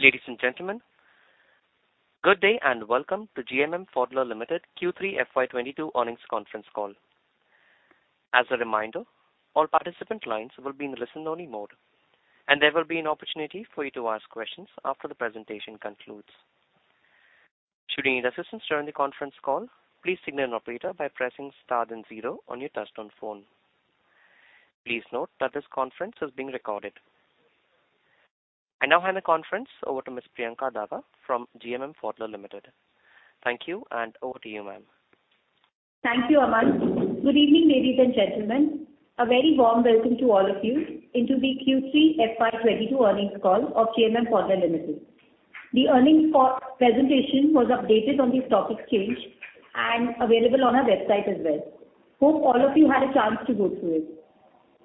Ladies and gentlemen, good day and welcome to GMM Pfaudler Limited Q3 FY 2022 Earnings Conference Call. As a reminder, all participant lines will be in listen-only mode, and there will be an opportunity for you to ask questions after the presentation concludes. Should you need assistance during the conference call, please signal an operator by pressing star then zero on your touchtone phone. Please note that this conference is being recorded. I now hand the conference over to Ms. Priyanka Daga from GMM Pfaudler Limited. Thank you and over to you, ma'am. Thank you, Aman. Good evening, ladies and gentlemen. A very warm welcome to all of you into the Q3 FY 2022 Earnings Call of GMM Pfaudler Limited. The earnings call presentation was updated on the stock exchange and available on our website as well. Hope all of you had a chance to go through it.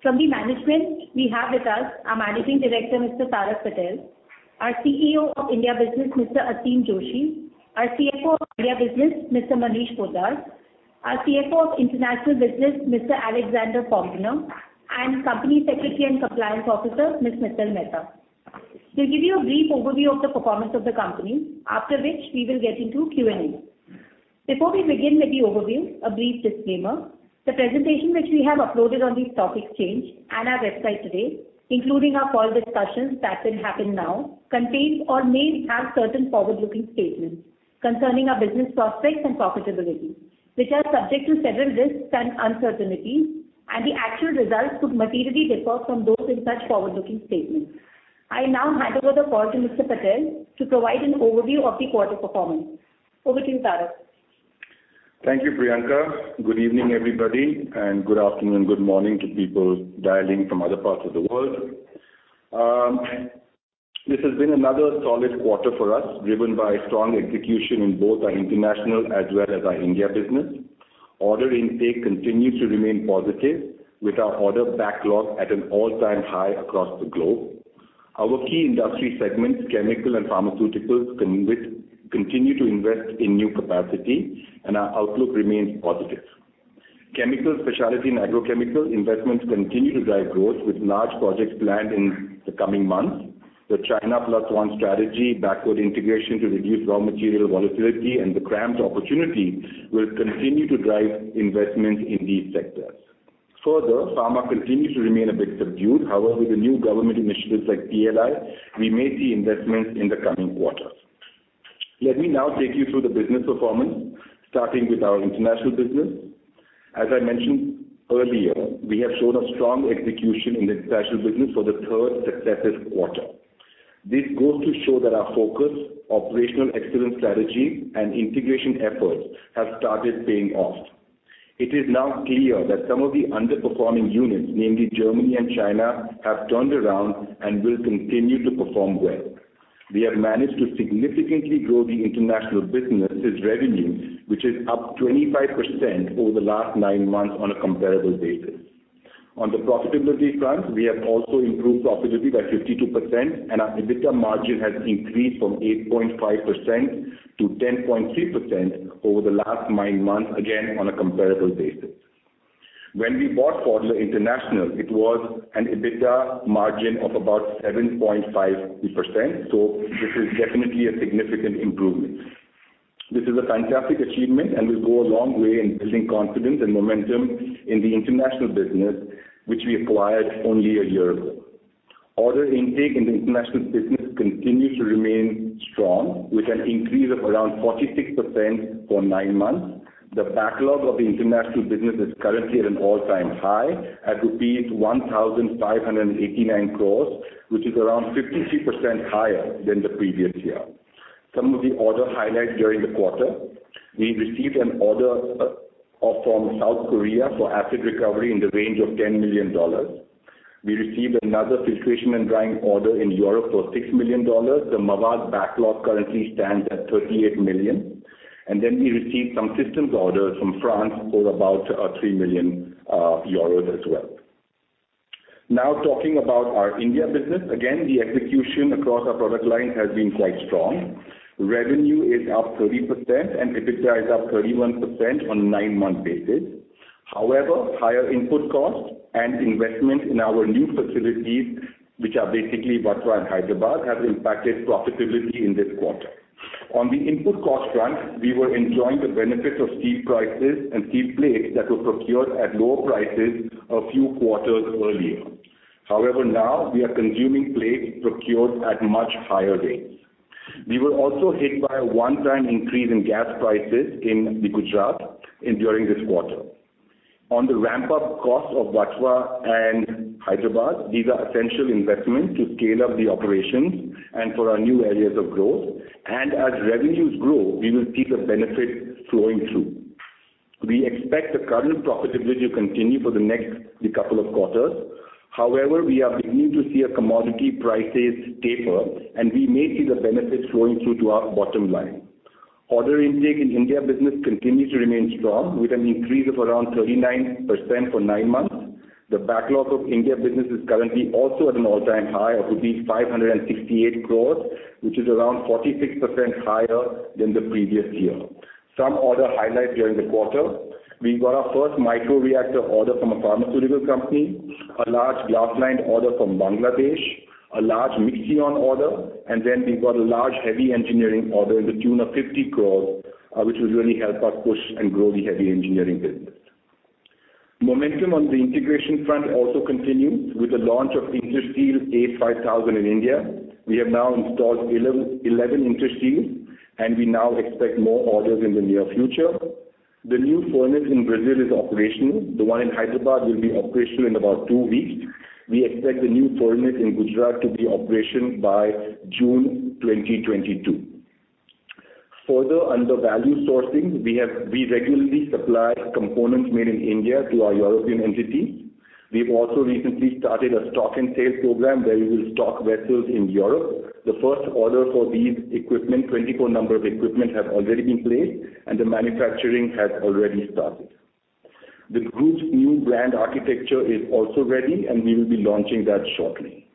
From the management we have with us our Managing Director, Mr. Tarak Patel, our CEO of India Business, Mr. Aseem Joshi, our CFO of India Business, Mr. Manish Poddar, our CFO of International Business, Mr. Alexander Poempner, and Company Secretary and Compliance Officer, Ms. Mittal Mehta. We'll give you a brief overview of the performance of the company, after which we will get into Q&A. Before we begin with the overview, a brief disclaimer. The presentation which we have uploaded on the stock exchange and our website today, including our call discussions that will happen now, contains or may have certain forward-looking statements concerning our business prospects and profitability, which are subject to several risks and uncertainties, and the actual results could materially differ from those in such forward-looking statements. I now hand over the call to Mr. Patel to provide an overview of the quarter performance. Over to you, Tarak. Thank you, Priyanka. Good evening, everybody, and good afternoon, good morning to people dialing from other parts of the world. This has been another solid quarter for us, driven by strong execution in both our international as well as our India business. Order intake continues to remain positive with our order backlog at an all-time high across the globe. Our key industry segments, Chemical and Pharmaceuticals, continue to invest in new capacity and our outlook remains positive. Chemical, Specialty and Agrochemical investments continue to drive growth with large projects planned in the coming months. The China Plus One strategy, backward integration to reduce raw material volatility and the CRAMS opportunity will continue to drive investment in these sectors. Further, pharma continues to remain a bit subdued. However, with the new government initiatives like PLI, we may see investments in the coming quarters. Let me now take you through the business performance, starting with our international business. As I mentioned earlier, we have shown a strong execution in the special business for the third successive quarter. This goes to show that our focus, operational excellence strategy and integration efforts have started paying off. It is now clear that some of the underperforming units, namely Germany and China, have turned around and will continue to perform well. We have managed to significantly grow the international business' revenue, which is up 25% over the last nine months on a comparable basis. On the profitability front, we have also improved profitability by 52% and our EBITDA margin has increased from 8.5% to 10.3% over the last nine months, again on a comparable basis. When we bought Pfaudler International, it was an EBITDA margin of about 7.5%, so this is definitely a significant improvement. This is a fantastic achievement and will go a long way in building confidence and momentum in the international business which we acquired only a year ago. Order intake in the international business continues to remain strong with an increase of around 46% for nine months. The backlog of the international business is currently at an all-time high at 1,589 crores, which is around 52% higher than the previous year. Some of the order highlights during the quarter. We received an order from South Korea for Acid recovery in the range of $10 million. We received another filtration and drying order in Europe for $6 million. The Mavag backlog currently stands at 38 million. We received some systems orders from France for about 3 million euros as well. Now talking about our India business. Again, the execution across our product line has been quite strong. Revenue is up 30% and EBITDA is up 31% on nine-month basis. However, higher input costs and investment in our new facilities, which are basically Vatva and Hyderabad, have impacted profitability in this quarter. On the input cost front, we were enjoying the benefits of steel prices and steel plates that were procured at lower prices a few quarters earlier. However, now we are consuming plates procured at much higher rates. We were also hit by a one-time increase in gas prices in Gujarat during this quarter. On the ramp-up cost of Vatva and Hyderabad, these are essential investments to scale up the operations and for our new areas of growth. As revenues grow, we will see the benefit flowing through. We expect the current profitability to continue for the next couple of quarters. However, we are beginning to see a commodity prices taper and we may see the benefit flowing through to our bottom line. Order intake in India Business continues to remain strong with an increase of around 39% for nine months. The backlog of India Business is currently also at an all-time high of rupees 568 crores, which is around 46% higher than the previous year. Some order highlights during the quarter. We got our first micro reactor order from a pharmaceutical company, a large glass line order from Bangladesh, a large Mixion order, and then we got a large heavy engineering order to the tune of 50 crores, which will really help us push and grow the heavy engineering business. Momentum on the integration front also continued with the launch of Interseal ace5000 in India. We have now installed 11 Interseal, and we now expect more orders in the near future. The new furnace in Brazil is operational. The one in Hyderabad will be operational in about two weeks. We expect the new furnace in Gujarat to be operational by June 2022. Further, under value sourcing, we regularly supply components made in India to our European entities. We have also recently started a stock and sales program where we will stock vessels in Europe. The first order for these equipment, 24 number of equipment, have already been placed, and the manufacturing has already started. The group's new brand architecture is also ready, and we will be launching that shortly.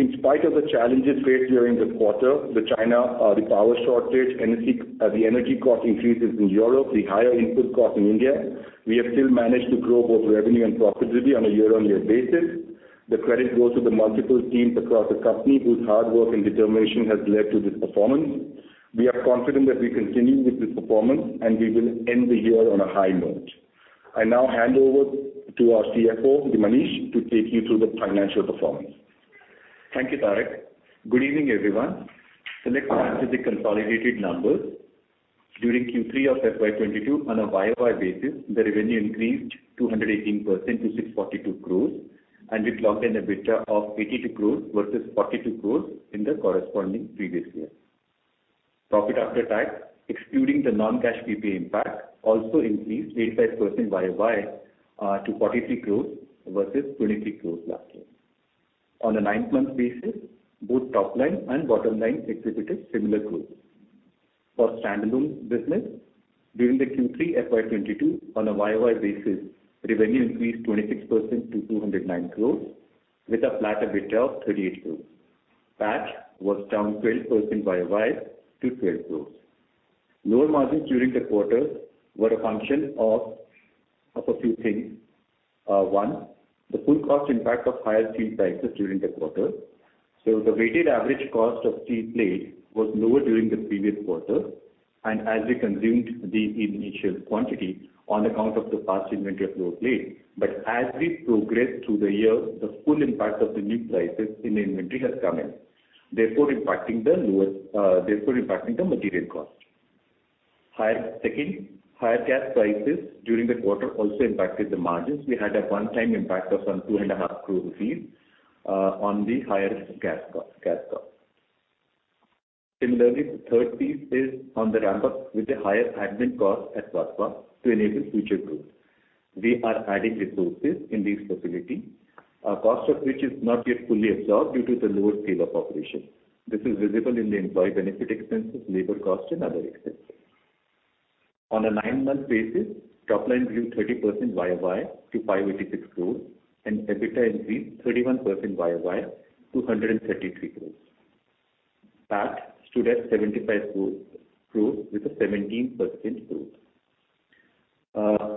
In spite of the challenges faced during the quarter, the China, the power shortage, the energy cost increases in Europe, the higher input cost in India, we have still managed to grow both revenue and profitability on a year-on-year basis. The credit goes to the multiple teams across the company whose hard work and determination has led to this performance. We are confident that we continue with this performance, and we will end the year on a high note. I now hand over to our CFO, Manish, to take you through the financial performance. Thank you, Tarak. Good evening, everyone. Select pages of the consolidated numbers. During Q3 of FY 2022 on a YoY basis, the revenue increased 218% to 642 crores, and we clocked in EBITDA of 82 crores versus 42 crores in the corresponding previous year. Profit after tax, excluding the non-cash PPA impact, also increased 85% YoY to 43 crore versus 23 crore last year. On a nine-month basis, both top line and bottom line exhibited similar growth. For standalone business, during the Q3 FY 2022 on a YoY basis, revenue increased 26% to 209 crore with a flat EBITDA of 38 crore. PAT was down 12% YoY to 12 crore. Lower margins during the quarter were a function of a few things. One, the full cost impact of higher steel prices during the quarter. The weighted average cost of steel plate was lower during the previous quarter, and as we consumed the initial quantity on account of the past inventory of lower plate. As we progress through the year, the full impact of the new prices in the inventory has come in, therefore impacting the material cost. Secondly, higher gas prices during the quarter also impacted the margins. We had a one-time impact of some 2.5 crore rupees on the higher gas cost. Similarly, the third piece is on the ramp-up with the higher admin cost at Vatva to enable future growth. We are adding resources in this facility, cost of which is not yet fully absorbed due to the lower scale of operation. This is visible in the employee benefit expenses, labor cost, and other expenses. On a nine-month basis, top line grew 30% YoY to 586 crores and EBITDA increased 31% YoY to 133 crores. PAT stood at 75 crore with a 17% growth.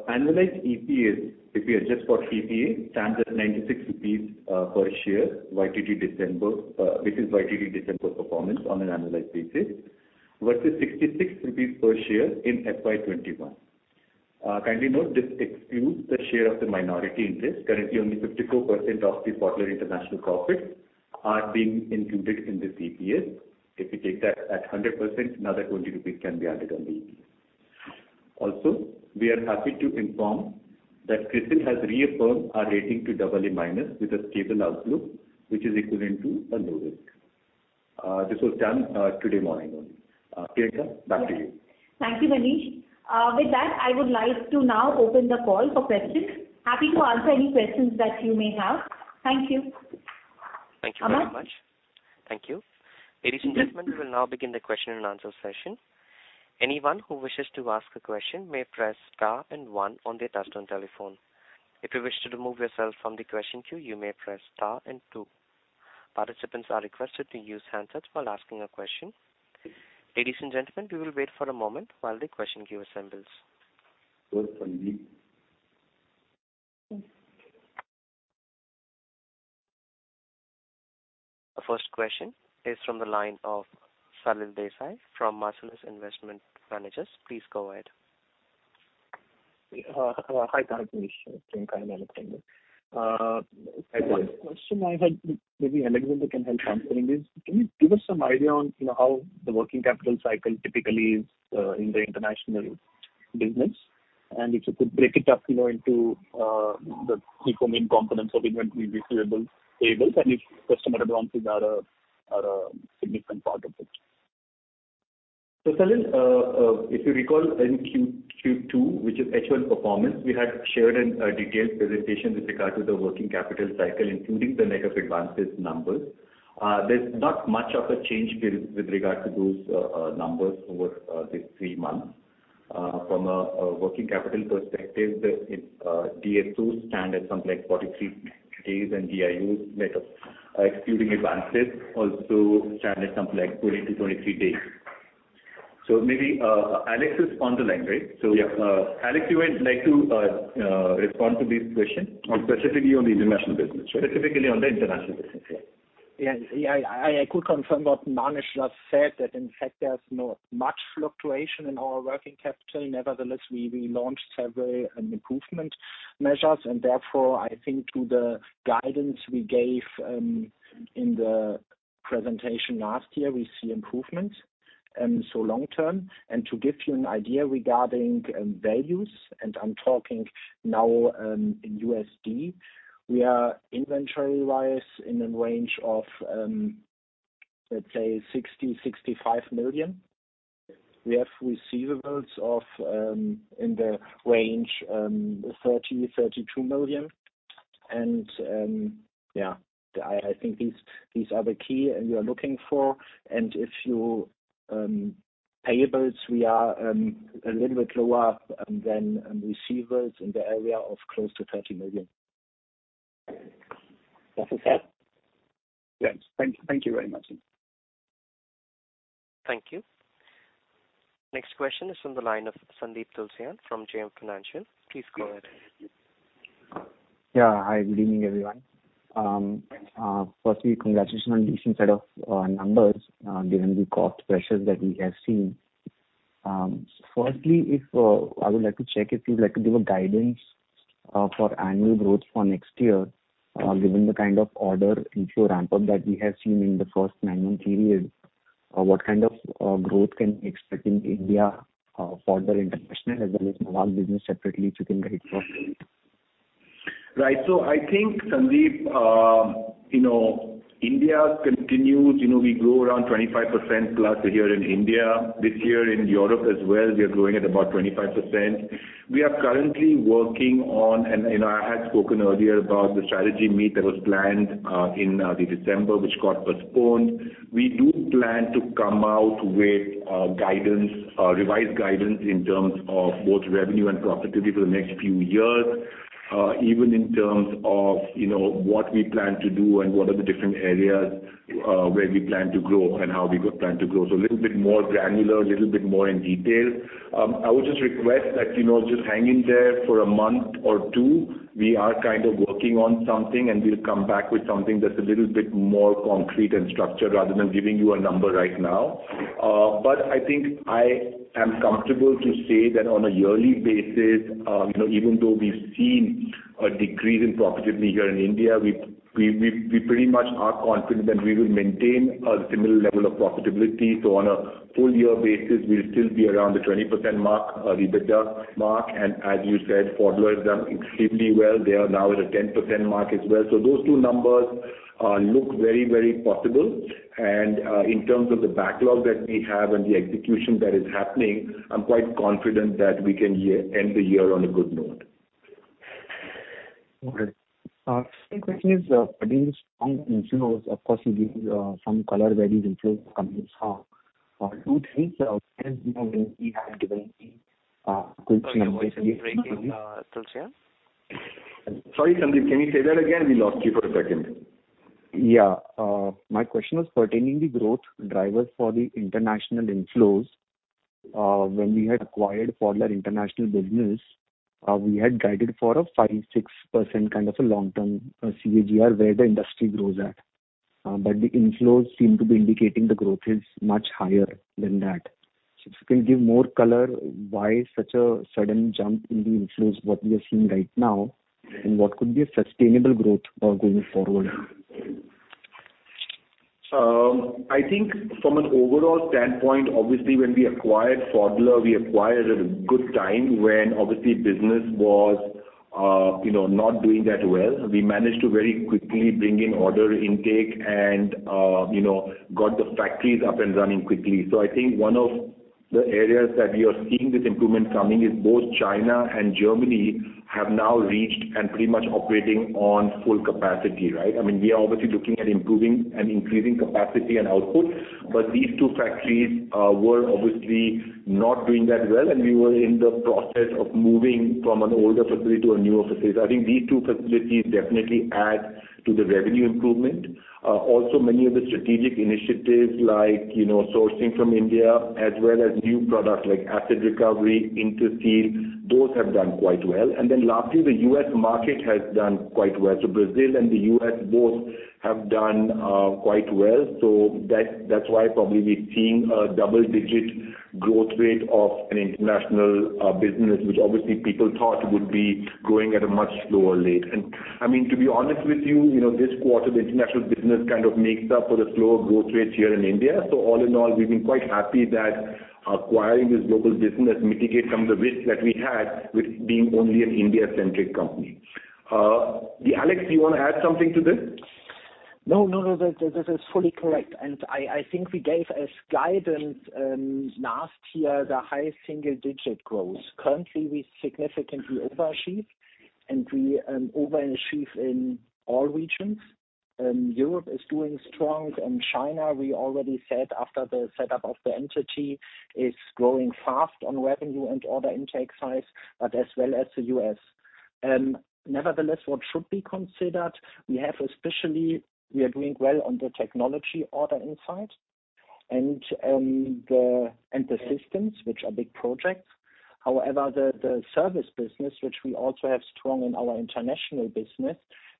Annualized EPS, if we adjust for PPA, stands at 96 rupees per share YTD December. This is YTD December performance on an annualized basis, versus 66 rupees per share in FY 2021. Kindly note this excludes the share of the minority interest. Currently only 54% of the Pfaudler International profits are being included in this EPS. If you take that at 100%, another 20 rupees can be added to the EPS. Also, we are happy to inform that CRISIL has reaffirmed our rating to AA- with a stable outlook, which is equivalent to a low risk. This was done this morning only. Priyanka, back to you. Thank you, Manish. With that, I would like to now open the call for questions. Happy to answer any questions that you may have. Thank you. Thank you very much. Thank you. Ladies and gentlemen, we will now begin the question and answer session. Anyone who wishes to ask a question may press star and one on their touchtone telephone. If you wish to remove yourself from the question queue, you may press star and two. Participants are requested to use handsets while asking a question. Ladies and gentlemen, we will wait for a moment while the question queue assembles. The first question is from the line of Salil Desai from Marcellus Investment Managers. Please go ahead. Hi, Tarak, Manish. Priyanka and Alexander. One question I had, maybe Alexander can help answer this. Can you give us some idea on, you know, how the working capital cycle typically is in the international business? If you could break it up, you know, into the three, four main components of inventory, receivable, payables, and if customer advances are a significant part of it. Salil, if you recall in Q2, which is H1 performance, we had shared a detailed presentation with regard to the working capital cycle, including the negative advances numbers. There's not much of a change here with regard to those numbers over the three months. From a working capital perspective, the DSOs stand at something like 43 days, and DIOs, net of excluding advances, also stand at something like 20 to 23 days. Maybe Alex is on the line, right? Yeah. Alex, you would like to respond to these questions? On specifically on the international business, right? Specifically on the international business, yeah. Yeah, I could confirm what Manish just said, that in fact there's not much fluctuation in our working capital. Nevertheless, we launched several improvement measures, and therefore I think through the guidance we gave in the presentation last year, we see improvement so long term. To give you an idea regarding values, and I'm talking now in USD, we are inventory-wise in a range of, let's say, $60 million -$65 million. We have receivables of in the range $30 million-$32 million. Yeah, I think these are the key you're looking for. Payables we are a little bit lower than receivables in the area of close to $30 million. Does that help? Yes. Thank you very much. Thank you. Next question is from the line of Sandeep Tulsiyan from JM Financial. Please go ahead. Yeah. Hi, good evening, everyone. Firstly, congratulations on this set of numbers, given the cost pressures that we have seen. Firstly, if I would like to check if you'd like to give a guidance for annual growth for next year, given the kind of order inflow ramp-up that we have seen in the first nine-month period. What kind of growth can we expect in India, further international as well as Mavag business separately if you can guide for? Right. I think, Sandeep, you know, India continues. You know, we grow around 25%+ here in India. This year in Europe as well, we are growing at about 25%. We are currently working on. You know, I had spoken earlier about the strategy meet that was planned in December, which got postponed. We do plan to come out with guidance, revised guidance in terms of both revenue and profitability for the next few years. Even in terms of, you know, what we plan to do and what are the different areas where we plan to grow and how we plan to grow. A little bit more granular, a little bit more in detail. I would just request that, you know, just hang in there for a month or two. We are kind of working on something, and we'll come back with something that's a little bit more concrete and structured rather than giving you a number right now. I think I am comfortable to say that on a yearly basis, you know, even though we've seen a decrease in profitability here in India, we pretty much are confident that we will maintain a similar level of profitability. On a full year basis, we'll still be around the 20% mark, EBITDA mark. As you said, Pfaudler has done extremely well. They are now at a 10% mark as well. Those two numbers look very, very possible. In terms of the backlog that we have and the execution that is happening, I'm quite confident that we can end the year on a good note. Okay. Second question is pertaining to strong inflows. Of course, you gave some color on various inflows coming from two things. You know, when we had given the Sorry, your voice is breaking, Tulsiyan. Sorry, Sandeep. Can you say that again? We lost you for a second. Yeah. My question was pertaining to the growth drivers for the international inflows. When we had acquired Pfaudler International business, we had guided for a 5%-6% kind of a long-term CAGR where the industry grows at. But the inflows seem to be indicating the growth is much higher than that. If you can give more color why such a sudden jump in the inflows, what we are seeing right now, and what could be a sustainable growth going forward? I think from an overall standpoint, obviously, when we acquired Pfaudler, we acquired at a good time when obviously business was, you know, not doing that well. We managed to very quickly bring in order intake and, you know, got the factories up and running quickly. I think one of the areas that we are seeing this improvement coming is both China and Germany have now reached and pretty much operating on full capacity, right? I mean, we are obviously looking at improving and increasing capacity and output, but these two factories were obviously not doing that well, and we were in the process of moving from an older facility to a newer facility. I think these two facilities definitely add to the revenue improvement. Also many of the strategic initiatives like, you know, sourcing from India as well as new products like Acid recovery, Interseal, those have done quite well. Then lastly, the U.S. market has done quite well. Brazil and the U.S. both have done quite well. That's why probably we're seeing a double-digit growth rate of an international business, which obviously people thought would be growing at a much slower rate. I mean, to be honest with you know, this quarter the international business kind of makes up for the slower growth rates here in India. All in all, we've been quite happy that acquiring this global business mitigate some of the risk that we had with being only an India-centric company. Yeah, Alex, you wanna add something to this? No, no. This is fully correct. I think we gave as guidance last year, the highest single-digit growth. Currently, we significantly overachieved. We overachieve in all regions. Europe is doing strong. In China, we already said after the setup of the entity is growing fast on revenue and order intake size, but as well as the U.S. Nevertheless, what should be considered, we are doing well on the technology order intake and the systems, which are big projects. However, the service business, which we also have strong in our international business,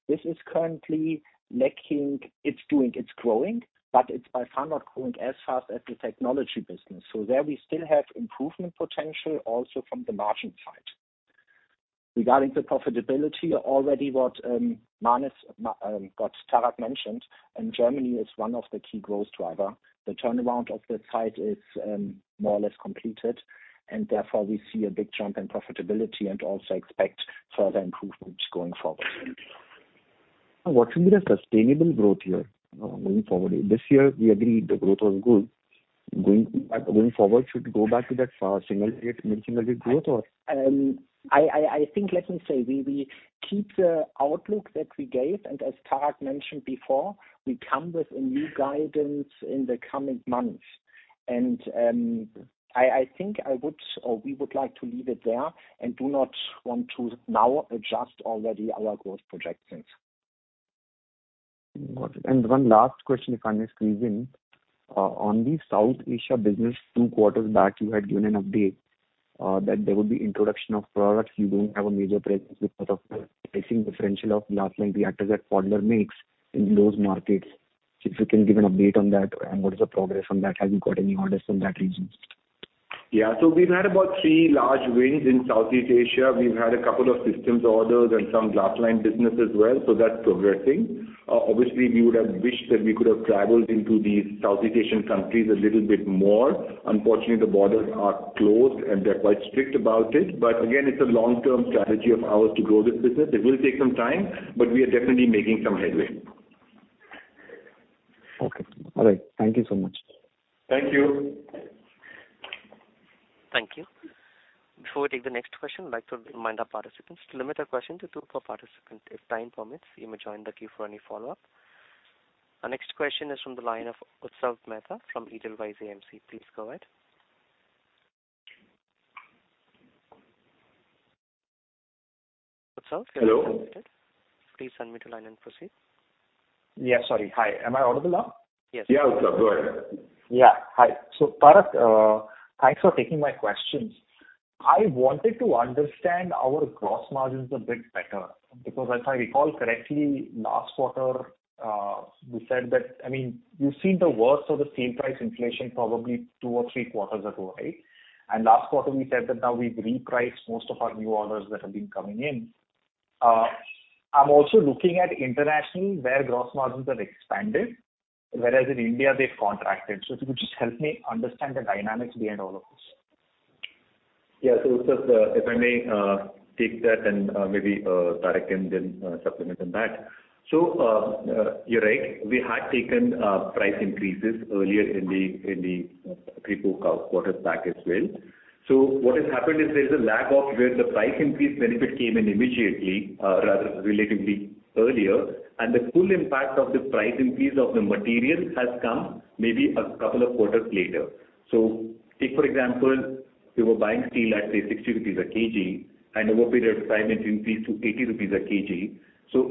this is currently lacking. It's doing, it's growing, but it's by far not growing as fast as the technology business. There we still have improvement potential also from the margin side. Regarding the profitability, what Tarak Patel mentioned, and Germany is one of the key growth driver. The turnaround of that site is more or less completed, and therefore, we see a big jump in profitability and also expect further improvements going forward. Now, what should be the sustainable growth here, going forward? This year we agreed the growth was good. Going forward, should it go back to that low single-digit, mid-single-digit growth or? I think let me say, we keep the outlook that we gave, and as Tarak mentioned before, we come with a new guidance in the coming months. I think I would or we would like to leave it there and do not want to now adjust already our growth projections. Got it. One last question, if I may squeeze in. On the South Asia business, two quarters back, you had given an update that there would be introduction of products you don't have a major presence because of the pricing differential of glass-lined reactors that Pfaudler makes in those markets. If you can give an update on that and what is the progress on that. Have you got any orders from that region? Yeah. We've had about three large wins in Southeast Asia. We've had a couple of systems orders and some glass-lined business as well, so that's progressing. Obviously we would have wished that we could have traveled into these Southeast Asian countries a little bit more. Unfortunately, the borders are closed, and they're quite strict about it. Again, it's a long-term strategy of ours to grow this business. It will take some time, but we are definitely making some headway. Okay. All right. Thank you so much. Thank you. Thank you. Before we take the next question, I'd like to remind our participants to limit their question to two per participant. If time permits, you may join the queue for any follow-up. Our next question is from the line of Utsav Mehta from Edelweiss AMC. Please go ahead. Utsav, are you unmuted? Hello? Please unmute your line and proceed. Yeah, sorry. Hi. Am I audible now? Yes. Yeah, Utsav, go ahead. Yeah. Hi. Tarak, thanks for taking my questions. I wanted to understand our gross margins a bit better, because if I recall correctly, last quarter, we said that. I mean, you've seen the worst of the steel price inflation probably two or three quarters ago, right? Last quarter we said that now we've repriced most of our new orders that have been coming in. I'm also looking at international, where gross margins have expanded, whereas in India they've contracted. If you could just help me understand the dynamics behind all of this. Yeah. Utsav, if I may, take that and, maybe, Tarak can then, supplement on that. You're right. We had taken price increases earlier in the three to four quarters back as well. What has happened is there's a lag of where the price increase benefit came in immediately, rather relatively earlier, and the full impact of the price increase of the material has come maybe a couple of quarters later. Take for example, we were buying steel at, say, 60 rupees a kilogram, and over a period of time it increased to 80 rupees a kilogram.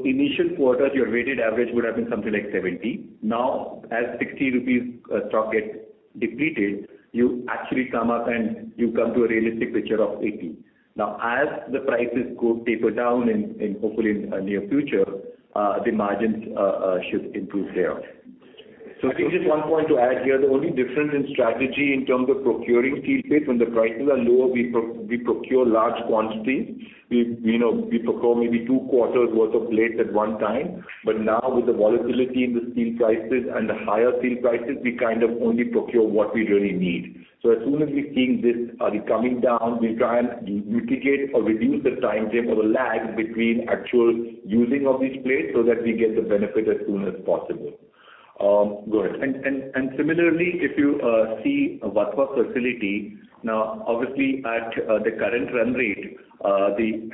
Initial quarter, your weighted average would have been something like 70. Now, as 60 rupees stock gets depleted, you actually come up and you come to a realistic picture of 80. Now, as the prices go taper down in, hopefully, in the near future, the margins should improve thereof. I think just one point to add here. The only difference in strategy in terms of procuring steel plates, when the prices are lower, we procure large quantities. We, you know, we procure maybe two quarters worth of plates at one time. But now with the volatility in the steel prices and the higher steel prices, we kind of only procure what we really need. As soon as we're seeing this coming down, we'll try and mitigate or reduce the timeframe or the lag between actual using of these plates so that we get the benefit as soon as possible. Go ahead. Similarly, if you see Vatva facility, now, obviously at the current run rate, the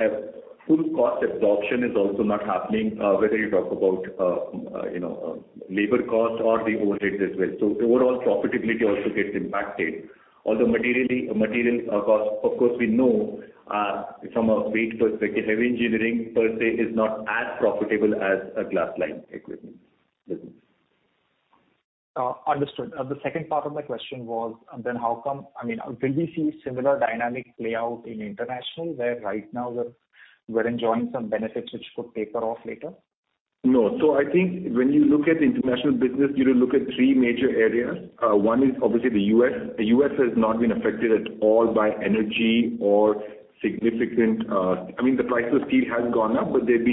full cost absorption is also not happening, whether you talk about, you know, labor cost or the overheads as well. Overall profitability also gets impacted. Although materially, material cost, of course, we know, from a weight perspective, heavy engineering per se is not as profitable as a glass-lined equipment business. Understood. The second part of my question was, I mean, will we see similar dynamic play out in international, where right now we're enjoying some benefits which could taper off later? No. I think when you look at the international business, you look at three major areas. One is obviously the U.S. The U.S. has not been affected at all by energy. I mean, the price of steel has gone up, but I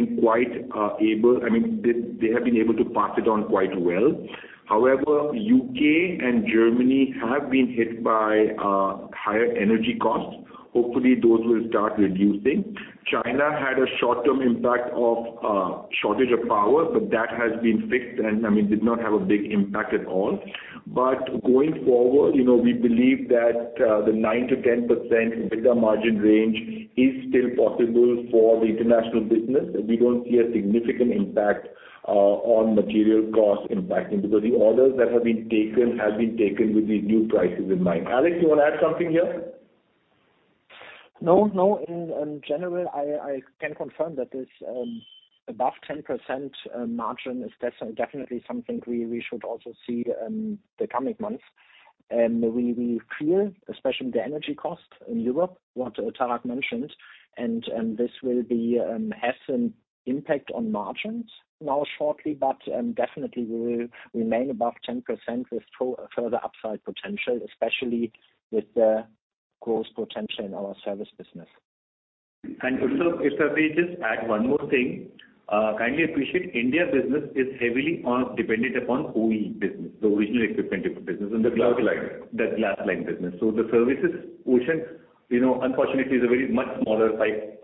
mean, they have been able to pass it on quite well. However, U.K. and Germany have been hit by higher energy costs. Hopefully, those will start reducing. China had a short-term impact of shortage of power, but that has been fixed and, I mean, did not have a big impact at all. Going forward, you know, we believe that the 9%-10% EBITDA margin range is still possible for the international business. We don't see a significant impact on material costs impacting because the orders that have been taken have been taken with the new prices in mind. Alex, you wanna add something here? No, no. In general, I can confirm that this above 10% margin is definitely something we should also see the coming months. We feel, especially with the energy costs in Europe, what Tarak mentioned, and this will have an impact on margins in the short term, but definitely will remain above 10% with further upside potential, especially with the growth potential in our service business. Also, if I may just add one more thing, kindly appreciate India business is heavily dependent upon OE business, so original equipment business and the- glass line. The glass line business. The services portion, you know, unfortunately, is a very much smaller 5.57%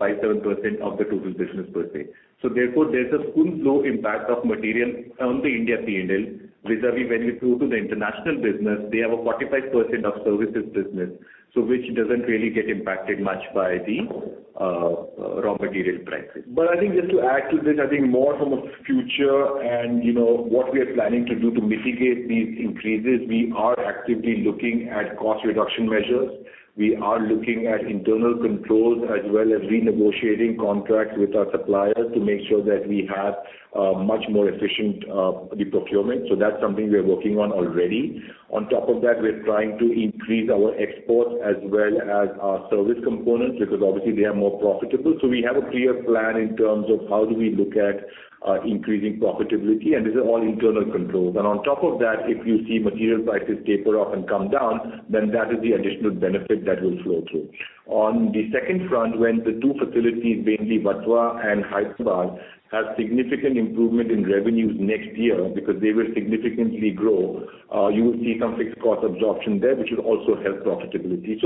of the total business per se. Therefore there's a full flow impact of material on the India P&L, vis-à-vis when you go to the international business, they have a 45% of services business, so which doesn't really get impacted much by the raw material prices. I think just to add to this, I think more from a future and, you know, what we are planning to do to mitigate these increases, we are actively looking at cost reduction measures. We are looking at internal controls as well as renegotiating contracts with our suppliers to make sure that we have much more efficient the procurement. That's something we are working on already. On top of that, we're trying to increase our exports as well as our service components, because obviously they are more profitable. We have a clear plan in terms of how do we look at increasing profitability, and these are all internal controls. On top of that, if you see material prices taper off and come down, then that is the additional benefit that will flow through. On the second front, when the two facilities, namely Vatva and Hyderabad, have significant improvement in revenues next year because they will significantly grow, you will see some fixed cost absorption there, which will also help profitability.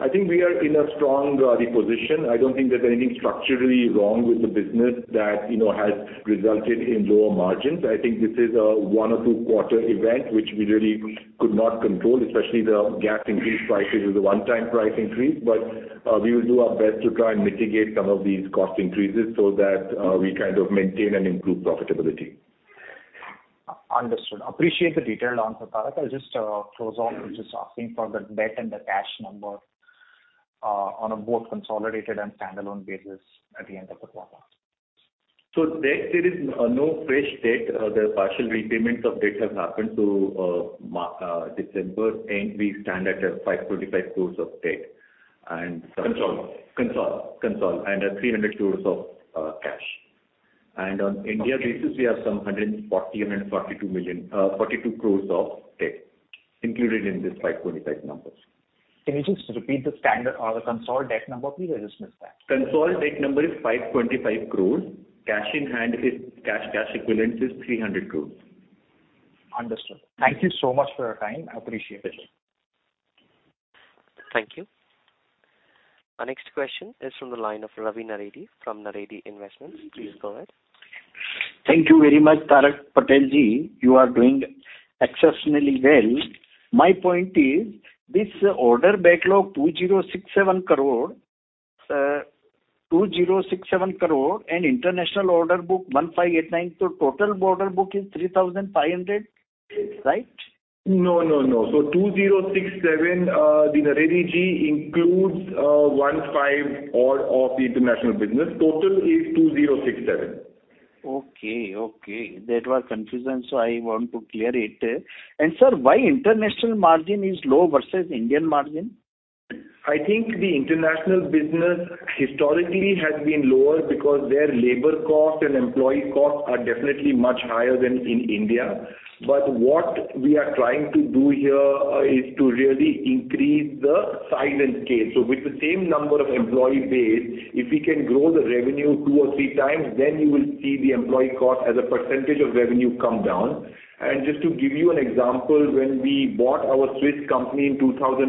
I think we are in a strong position. I don't think there's anything structurally wrong with the business that, you know, has resulted in lower margins. I think this is a one- or two-quarter event, which we really could not control, especially the gas price increases, is a one-time price increase. We will do our best to try and mitigate some of these cost increases so that we kind of maintain and improve profitability. Understood. I appreciate the detailed answer, Tarak. I'll just close off with just asking for the debt and the cash number on both consolidated and standalone basis at the end of the quarter. Debt, there is no fresh debt. The partial repayments of debt have happened from March to December, and we stand at 525 crores of debt and Consolidate. Consolidated and 300 crores of cash. On India basis, we have some 42 crores of debt included in this 525 numbers. Can you just repeat the standard or the consolidated debt number, please? I just missed that. Consolidated debt number is 525 crore. Cash in hand is cash equivalents is 300 crore. Understood. Thank you so much for your time. I appreciate it. Thank you. Our next question is from the line of Ravi Naredi from Naredi Investments. Please go ahead. Thank you very much, Tarak Patel-ji. You are doing exceptionally well. My point is this order backlog, 2,067 crore and international order book 1,589 crore. Total order book is 3,500 crore, right? No, no. 2,067, the Naredi-ji includes INR 15 order of the international business. Total is INR 2,067. Okay. That was confusion, so I want to clear it. Sir, why international margin is low versus Indian margin? I think the international business historically has been lower because their labor costs and employee costs are definitely much higher than in India. What we are trying to do here is to really increase the size and scale. With the same number of employee base, if we can grow the revenue 2x or 3x, then you will see the employee cost as a percentage of revenue come down. Just to give you an example, when we bought our Swiss company in 2008,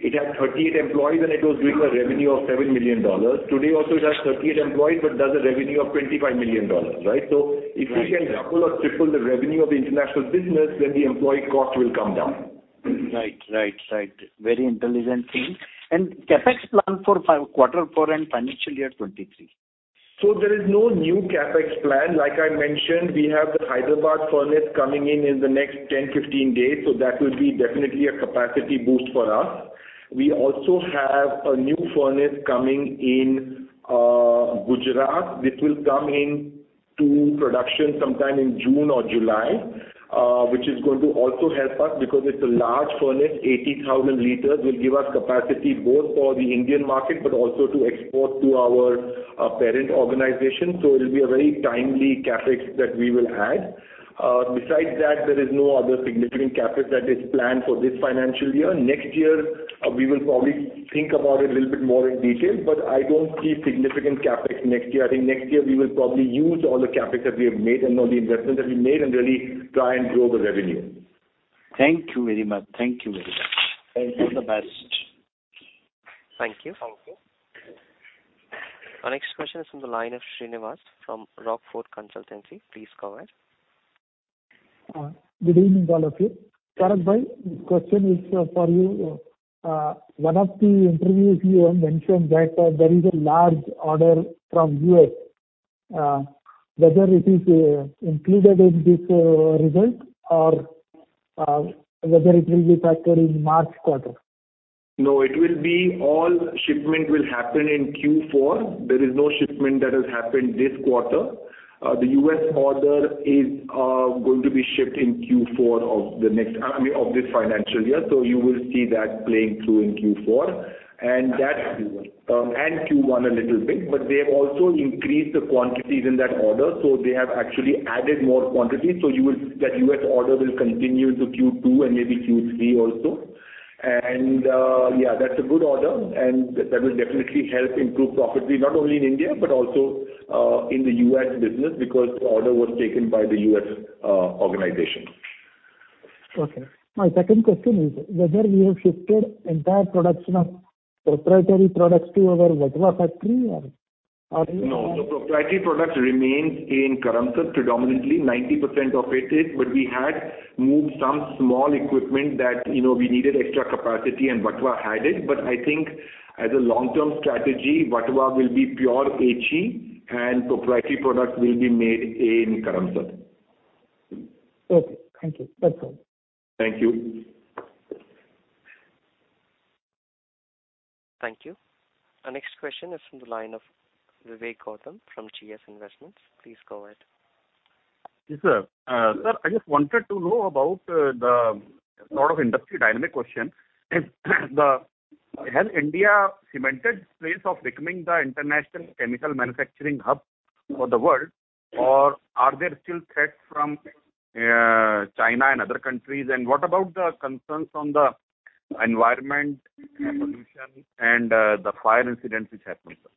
it had 38 employees and it was doing a revenue of $7 million. Today also it has 38 employees, but does a revenue of $25 million, right? Right. If we can double or triple the revenue of the international business, then the employee cost will come down. Right. Very intelligent thing. CapEx plan for quarter four and financial year 2023. There is no new CapEx plan. Like I mentioned, we have the Hyderabad furnace coming in in the next 10, 15 days, so that will be definitely a capacity boost for us. We also have a new furnace coming in Gujarat, which will come into production sometime in June or July, which is going to also help us because it's a large furnace. 80,000 liters will give us capacity both for the Indian market, but also to export to our parent organization. It'll be a very timely CapEx that we will add. Besides that, there is no other significant CapEx that is planned for this financial year. Next year, we will probably think about it a little bit more in detail, but I don't see significant CapEx next year. I think next year we will probably use all the CapEx that we have made and all the investments that we made and really try and grow the revenue. Thank you very much. All the best. Thank you. Our next question is from the line of Shrinivas from Rockfort Consulting Please go ahead. Good evening, all of you. Tarak bhai, question is for you. One of the interviews you mentioned that there is a large order from U.S. Whether it is included in this result or whether it will be factored in March quarter. No, it will be all shipment will happen in Q4. There is no shipment that has happened this quarter. The U.S. order is going to be shipped in Q4, I mean, of this financial year. You will see that playing through in Q4. Q1. Q1 a little bit, but they have also increased the quantities in that order, so they have actually added more quantity. That U.S. order will continue into Q2 and maybe Q3 also. Yeah, that's a good order, and that will definitely help improve profitability not only in India but also in the U.S. business because the order was taken by the U.S. organization. Okay. My second question is whether you have shifted entire production of proprietary products to your Vatva factory or you have- No. The proprietary products remains in Karamsad predominantly. 90% of it is, but we had moved some small equipment that, you know, we needed extra capacity and Vatva had it. I think as a long-term strategy, Vatva will be pure HE and proprietary products will be made in Karamsad. Okay. Thank you. That's all. Thank you. Thank you. Our next question is from the line of Vivek Gautam from GS Investments. Please go ahead. Yes, sir. Sir, I just wanted to know about a lot of industry dynamics question. If India has cemented its place of becoming the international chemical manufacturing hub for the world, or are there still threats from China and other countries? What about the concerns on the environment and pollution and the fire incidents which happened, sir?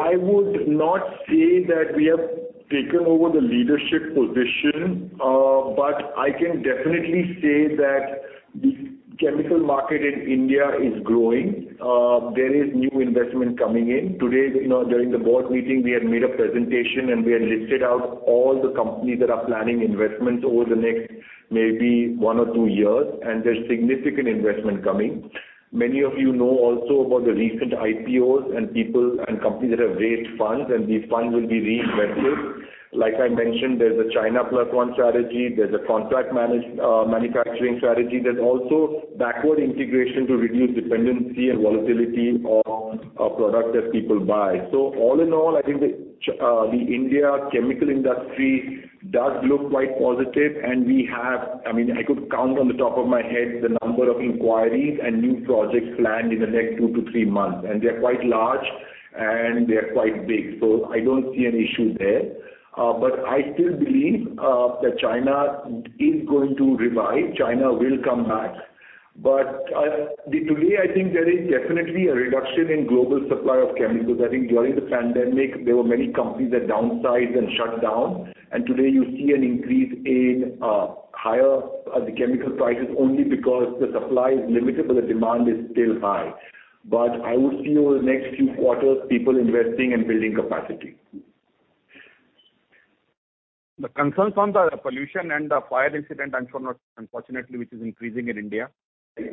I would not say that we have taken over the leadership position, but I can definitely say that the chemical market in India is growing. There is new investment coming in. Today, you know, during the board meeting, we had made a presentation, and we had listed out all the companies that are planning investments over the next maybe one or two years, and there's significant investment coming. Many of you know also about the recent IPOs and people and companies that have raised funds, and these funds will be reinvested. Like I mentioned, there's a China Plus One strategy. There's a contract manufacturing strategy. There's also backward integration to reduce dependency and volatility on a product that people buy. All in all, I think the India chemical industry does look quite positive, and we have... I mean, I could count on the top of my head the number of inquiries and new projects planned in the next two to three months, and they're quite large, and they're quite big. I don't see an issue there. I still believe that China is going to revive. China will come back. Today, I think there is definitely a reduction in global supply of chemicals. I think during the pandemic, there were many companies that downsized and shut down. Today, you see an increase in higher chemical prices only because the supply is limited, but the demand is still high. I would see over the next few quarters people investing and building capacity. The concerns on the pollution and the fire incident, I'm sure not, unfortunately, which is increasing in India.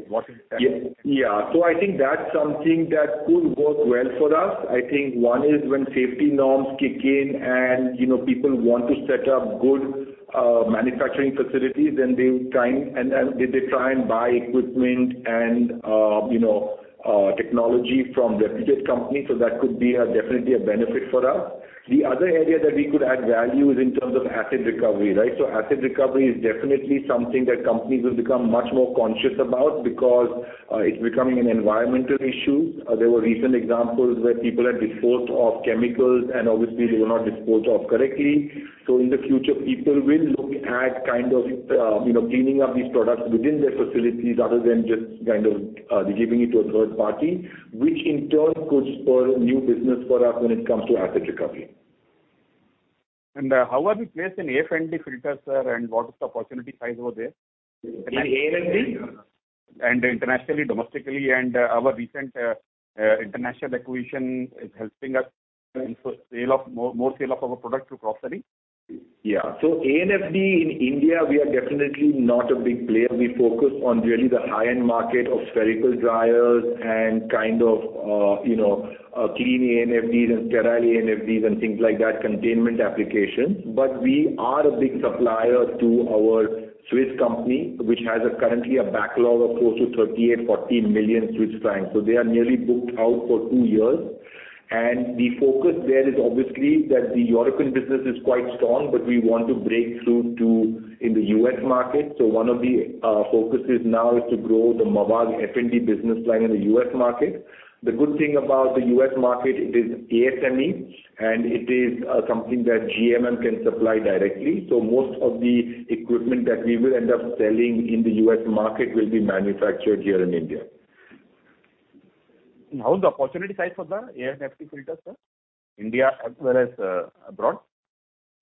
What is that? Yeah. I think that's something that could work well for us. I think one is when safety norms kick in and, you know, people want to set up good manufacturing facilities, and they try and buy equipment and, you know, technology from reputed companies. That could be definitely a benefit for us. The other area that we could add value is in terms of acid recovery, right? Acid recovery is definitely something that companies will become much more conscious about because it's becoming an environmental issue. There were recent examples where people had disposed of chemicals and obviously they were not disposed of correctly. In the future, people will look at kind of, you know, cleaning up these products within their facilities rather than just kind of, giving it to a third party, which in turn could spur new business for us when it comes to acid recovery. How are we placed in ANFD, sir, and what is the opportunity size over there? In ANFD? Internationally, domestically, and our recent international acquisition is helping us in the sale of more of our products to export. Yeah. ANFD in India, we are definitely not a big player. We focus on really the high-end market of spherical dryers and kind of you know clean ANFDs and sterile ANFDs and things like that, containment applications. We are a big supplier to our Swiss company, which currently has a backlog of close to 30 milion to 14 million Swiss francs. They are nearly booked out for two years. The focus there is obviously that the European business is quite strong, but we want to break through in the U.S. market. One of the focuses now is to grow the Mavag F&D business line in the U.S. market. The good thing about the U.S. market, it is ASME, and it is something that GMM can supply directly. Most of the equipment that we will end up selling in the U.S. market will be manufactured here in India. How is the opportunity size for the ANFD filter, sir? India as well as abroad.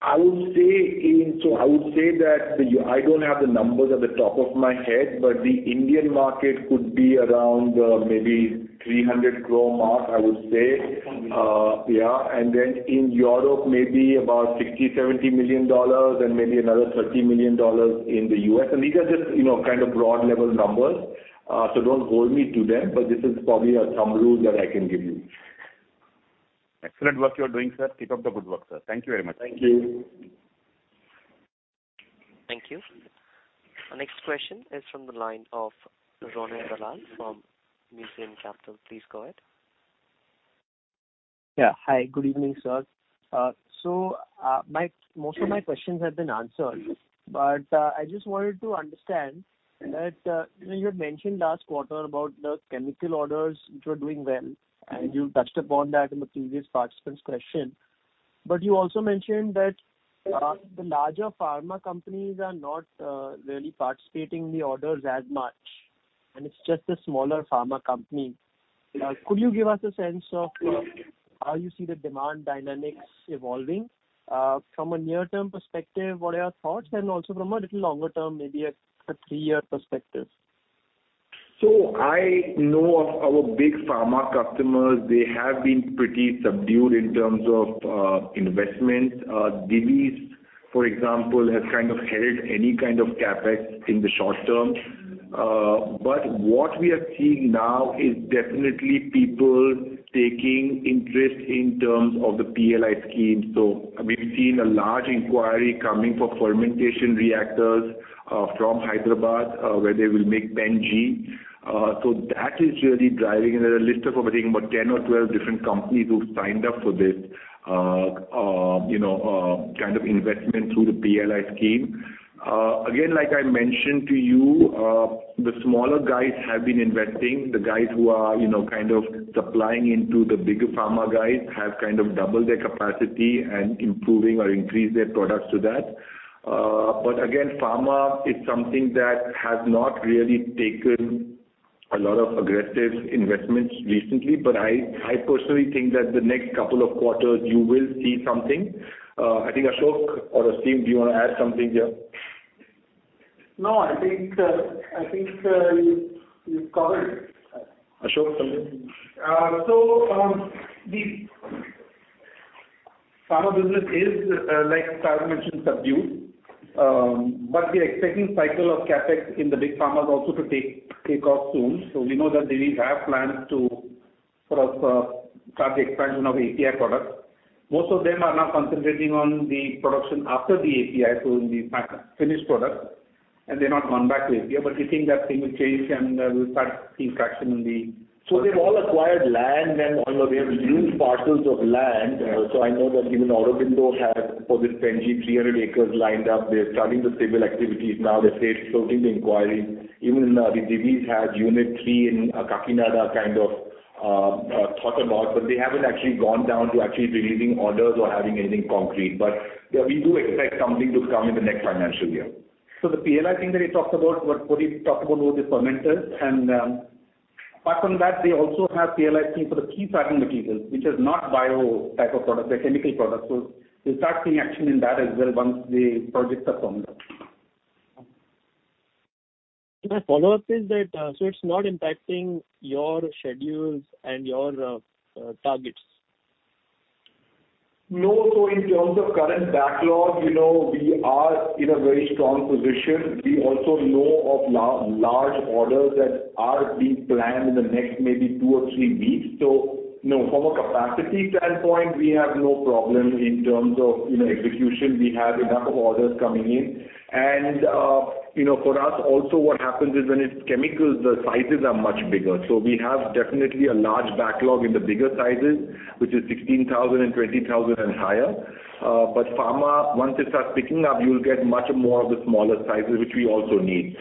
I would say that I don't have the numbers off the top of my head, but the Indian market could be around maybe 300 crore mark, I would say. Okay. Yeah. Then in Europe, maybe about $60 million-$70 million and maybe another $30 million in the U.S. These are just, you know, kind of broad level numbers, so don't hold me to them, but this is probably a thumb rule that I can give you. Excellent work you're doing, sir. Keep up the good work, sir. Thank you very much. Thank you. Thank you. Our next question is from the line of Rohan Dalal from Museum Capital. Please go ahead. Yeah. Hi, good evening, sir. Most of my questions have been answered. Yes. I just wanted to understand that, you know, you had mentioned last quarter about the chemical orders which were doing well, and you touched upon that in the previous participant's question. You also mentioned that the larger pharma companies are not really participating in the orders as much, and it's just the smaller pharma companies. Yeah. Could you give us a sense of how you see the demand dynamics evolving from a near-term perspective, what are your thoughts? Also from a little longer term, maybe a three-year perspective. I know of our big pharma customers, they have been pretty subdued in terms of investment. Divi's, for example, has kind of held any kind of CapEx in the short term. But what we are seeing now is definitely people taking interest in terms of the PLI scheme. We've seen a large inquiry coming for fermentation reactors from Hyderabad, where they will make benzene. That is really driving. There's a list of everything, about 10 or 12 different companies who've signed up for this, you know, kind of investment through the PLI scheme. Again, like I mentioned to you, the smaller guys have been investing. The guys who are, you know, kind of supplying into the bigger pharma guys have kind of doubled their capacity and improving or increased their products to that. Again, pharma is something that has not really taken a lot of aggressive investments recently. I personally think that the next couple of quarters you will see something. I think Aseem, do you wanna add something here? No, I think you've covered it. Ashok something? The pharma business is, like Tarak mentioned, subdued. We're expecting cycle of CapEx in the big pharmas also to take off soon. We know that Divi's have plans to sort of start the expansion of API products. Most of them are now concentrating on the production after the API, so in fact finished products, and they're not going back to API. We think that thing will change and we'll start seeing traction in the They've all acquired land and all of them have huge parcels of land. Yeah. I know that even Aurobindo has, for this benzene, 300 acres lined up. They're starting the civil activities now. They're starting the inquiry. Even Divi's had unit III in Kakinada kind of thought about, but they haven't actually gone down to actually releasing orders or having anything concrete. Yeah, we do expect something to come in the next financial year. The PLI thing that he talked about, what he talked about was the fermenters. Apart from that, they also have PLI scheme for the key starting materials, which is not bio type of products, they're chemical products. We'll start seeing action in that as well once the projects are formed up. My follow-up is that, so it's not impacting your schedules and your targets? No. In terms of current backlog, you know, we are in a very strong position. We also know of large orders that are being planned in the next maybe two or three weeks. No, from a capacity standpoint, we have no problem in terms of, you know, execution. We have enough of orders coming in. You know, for us also what happens is when it's chemicals, the sizes are much bigger. We have definitely a large backlog in the bigger sizes, which is 16,000 and 20,000 and higher. But pharma, once it starts picking up, you'll get much more of the smaller sizes, which we also need.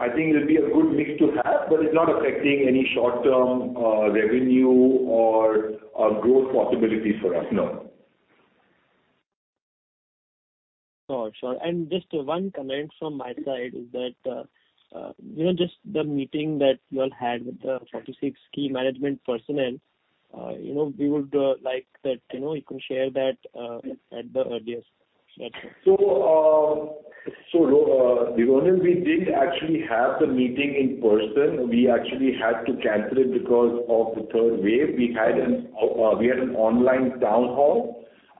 I think it'll be a good mix to have, but it's not affecting any short-term revenue or growth possibilities for us, no. Got you. Just one comment from my side is that, you know, just the meeting that you all had with the 46 key management personnel, you know, we would like that, you know, you can share that at the earliest. Thank you. Rohan, we didn't actually have the meeting in person. We actually had to cancel it because of the third wave. We had an online town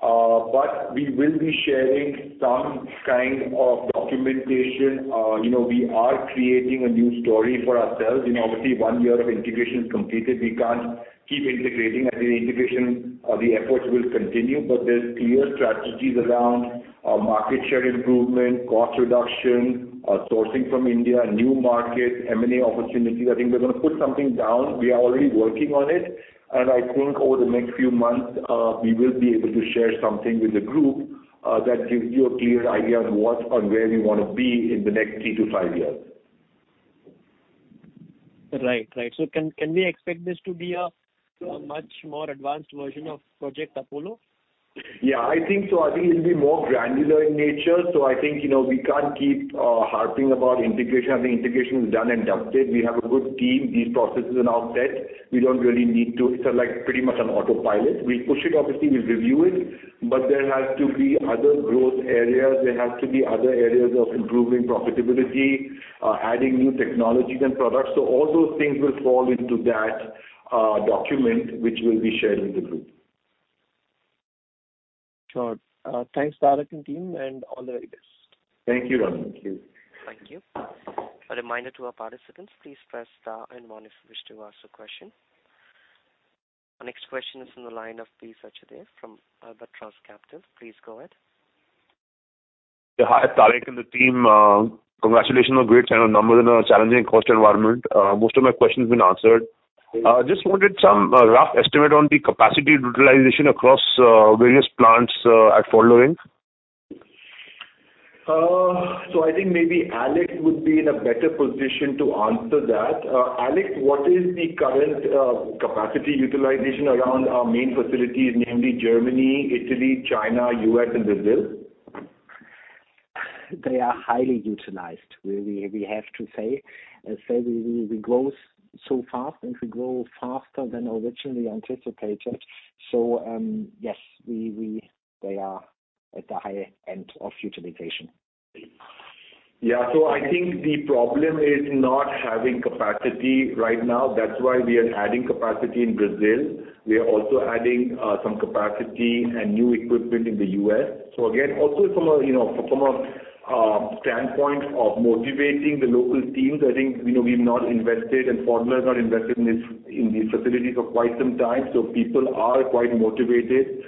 hall. We will be sharing some kind of documentation. You know, we are creating a new story for ourselves. You know, obviously one year of integration is completed. We can't keep integrating. I think integration, the efforts will continue, but there's clear strategies around market share improvement, cost reduction, sourcing from India, new markets, M&A opportunities. I think we're gonna put something down. We are already working on it. I think over the next few months, we will be able to share something with the group that gives you a clear idea of what and where we wanna be in the next three to five years. Right. Can we expect this to be a much more advanced version of Project Apollo? Yeah, I think so. I think it'll be more granular in nature, so I think, you know, we can't keep harping about integration. I think integration is done and dusted. We have a good team. These processes are now set. It's like pretty much on autopilot. We push it, obviously, we review it, but there has to be other growth areas. There has to be other areas of improving profitability, adding new technologies and products. All those things will fall into that document which will be shared with the group. Sure. Thanks, Tarak and team, and all the very best. Thank you, Rohan. Thank you. Thank you. A reminder to our participants, please press star and one if you wish to ask a question. Our next question is from the line of P. Sachdev from Albatross Capital. Please go ahead. Yeah. Hi, Tarak and the team. Congratulations on great set of numbers in a challenging cost environment. Most of my questions have been answered. Great. Just wanted some rough estimate on the capacity utilization across various plants at Pfaudler. I think maybe Alex would be in a better position to answer that. Alex, what is the current capacity utilization around our main facilities, namely Germany, Italy, China, U.S., and Brazil? They are highly utilized, we have to say. As said, we grow so fast, and we grow faster than originally anticipated. Yes, they are at the high end of utilization. Yeah. I think the problem is not having capacity right now. That's why we are adding capacity in Brazil. We are also adding some capacity and new equipment in the U.S. Again, also from a standpoint of motivating the local teams, I think, you know, we've not invested and Pfaudler has not invested in these facilities for quite some time, so people are quite motivated.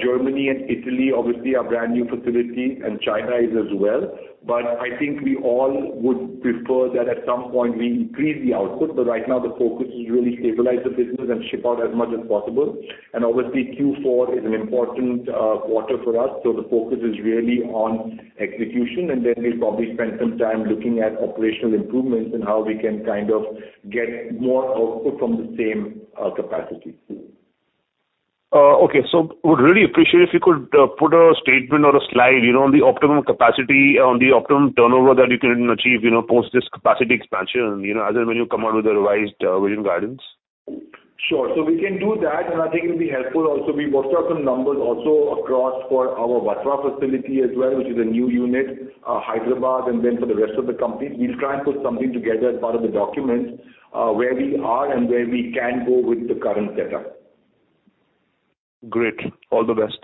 Germany and Italy obviously are brand-new facilities, and China is as well. I think we all would prefer that at some point we increase the output, but right now the focus is really to stabilize the business and ship out as much as possible. Obviously Q4 is an important quarter for us, so the focus is really on execution, and then we'll probably spend some time looking at operational improvements and how we can kind of get more output from the same capacity. Okay. Would really appreciate if you could put a statement or a slide, you know, on the optimum capacity, on the optimum turnover that you can achieve, you know, post this capacity expansion, you know, as and when you come out with a revised vision guidance. Sure. We can do that, and I think it'll be helpful also. We worked out some numbers also across for our Vatva facility as well, which is a new unit, Hyderabad, and then for the rest of the company. We'll try and put something together as part of the documents, where we are and where we can go with the current setup. Great. All the best.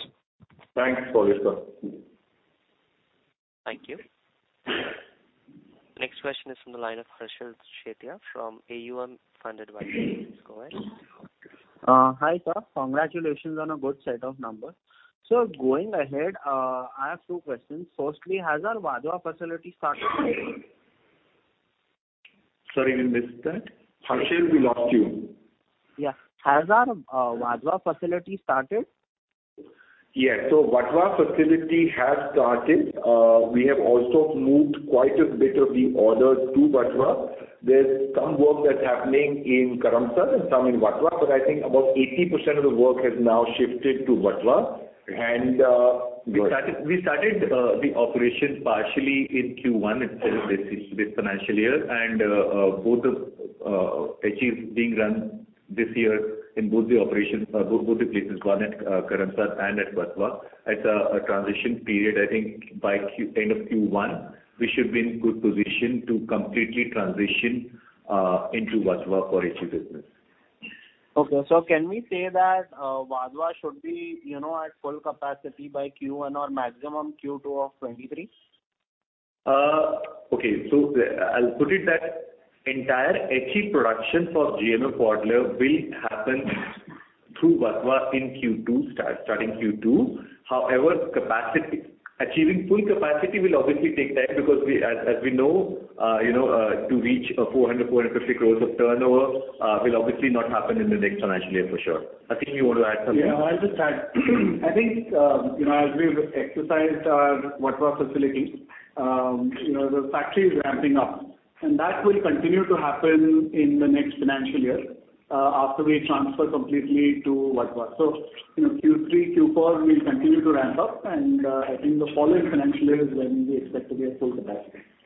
Thanks for your support. Thank you. Next question is from the line of Harshal Sethia from AUM Fund Advisory. Please go ahead. Hi, sir. Congratulations on a good set of numbers. Going ahead, I have two questions. Firstly, has our Vatva facility started? Sorry, we missed that. Harshal, we lost you. Yeah. Has Vatva facility started? Vatva facility has started. We have also moved quite a bit of the orders to Vatva. There's some work that's happening in Karamsad and some in Vatva, but I think about 80% of the work has now shifted to Vatva. We started the operation partially in Q1 itself this financial year. Both HE is being run this year in both the operations, both places, one at Karamsad and at Vatva. It's a transition period. I think by end of Q1, we should be in good position to completely transition into Vatva for HE business. Okay. Can we say that Vatva should be at full capacity by Q1 or maximum Q2 of 2023? Okay. I'll put it that entire HE production for GMM Pfaudler will happen through Vatva in Q2, starting Q2. However, capacity. Achieving full capacity will obviously take time because we as we know, you know, to reach 450 crore of turnover, will obviously not happen in the next financial year for sure. I think you want to add something? Yeah, I'll just add. I think, you know, as we exercise our Vatva facility, you know, the factory is ramping up, and that will continue to happen in the next financial year, after we transfer completely to Vatva. You know, Q3, Q4, we'll continue to ramp up and, I think the following financial year is when we expect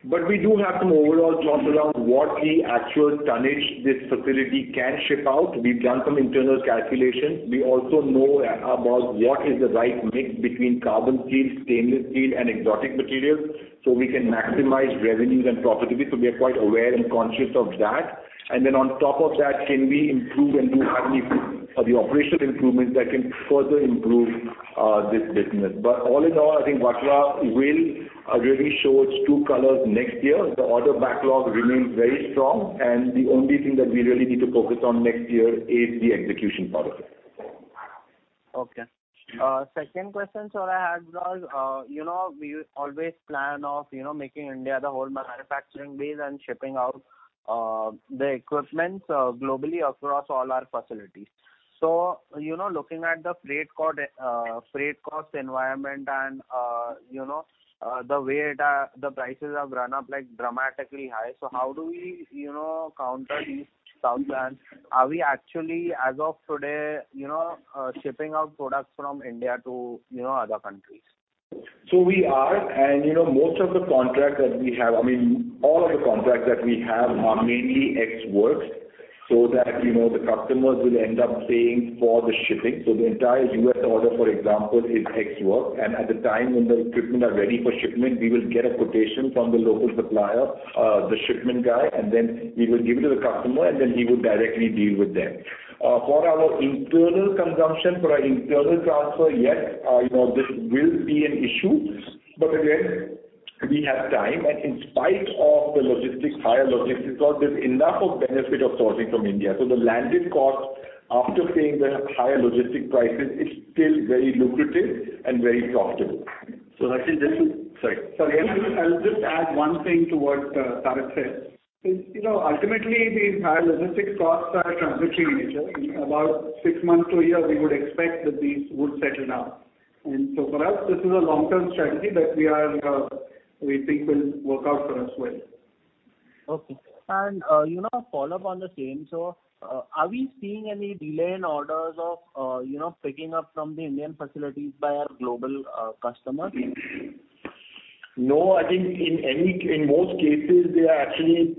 to be at full capacity. We do have some overall thoughts around what the actual tonnage this facility can ship out. We've done some internal calculations. We also know about what is the right mix between carbon steel, stainless steel, and exotic materials, so we can maximize revenues and profitability. We are quite aware and conscious of that. Then on top of that, can we improve and do any of the operational improvements that can further improve this business? All in all, I think Vatva will really show its true colors next year. The order backlog remains very strong, and the only thing that we really need to focus on next year is the execution part of it. Okay. Second question, sir, I had was, you know, we always plan of, you know, making India the whole manufacturing base and shipping out the equipment globally across all our facilities. You know, looking at the freight cost environment and, you know, the way it the prices have run up, like, dramatically high. How do we, you know, counter these timelines? Are we actually, as of today, you know, shipping out products from India to, you know, other countries? We are, you know, most of the contracts that we have. I mean, all of the contracts that we have are mainly ex works, so that, you know, the customers will end up paying for the shipping. The entire U.S. order, for example, is ex works. At the time when the equipment are ready for shipment, we will get a quotation from the local supplier, the shipment guy, and then we will give it to the customer, and then he would directly deal with them. For our internal consumption, for our internal transfer, yes, you know, this will be an issue. Again, we have time, and in spite of the logistics, higher logistics cost, there's enough of benefit of sourcing from India. The landed cost after paying the higher logistic prices, it's still very lucrative and very profitable. Harshal, just to- Sorry. Sorry. I'll just add one thing to what Tarak said. You know, ultimately the higher logistics costs are transitory in nature. In about six months to a year, we would expect that these would settle down. For us, this is a long-term strategy that we are, we think will work out for us well. Okay. You know, a follow-up on the same. Are we seeing any delay in orders of, you know, picking up from the Indian facilities by our global customers? No, I think in most cases, they are actually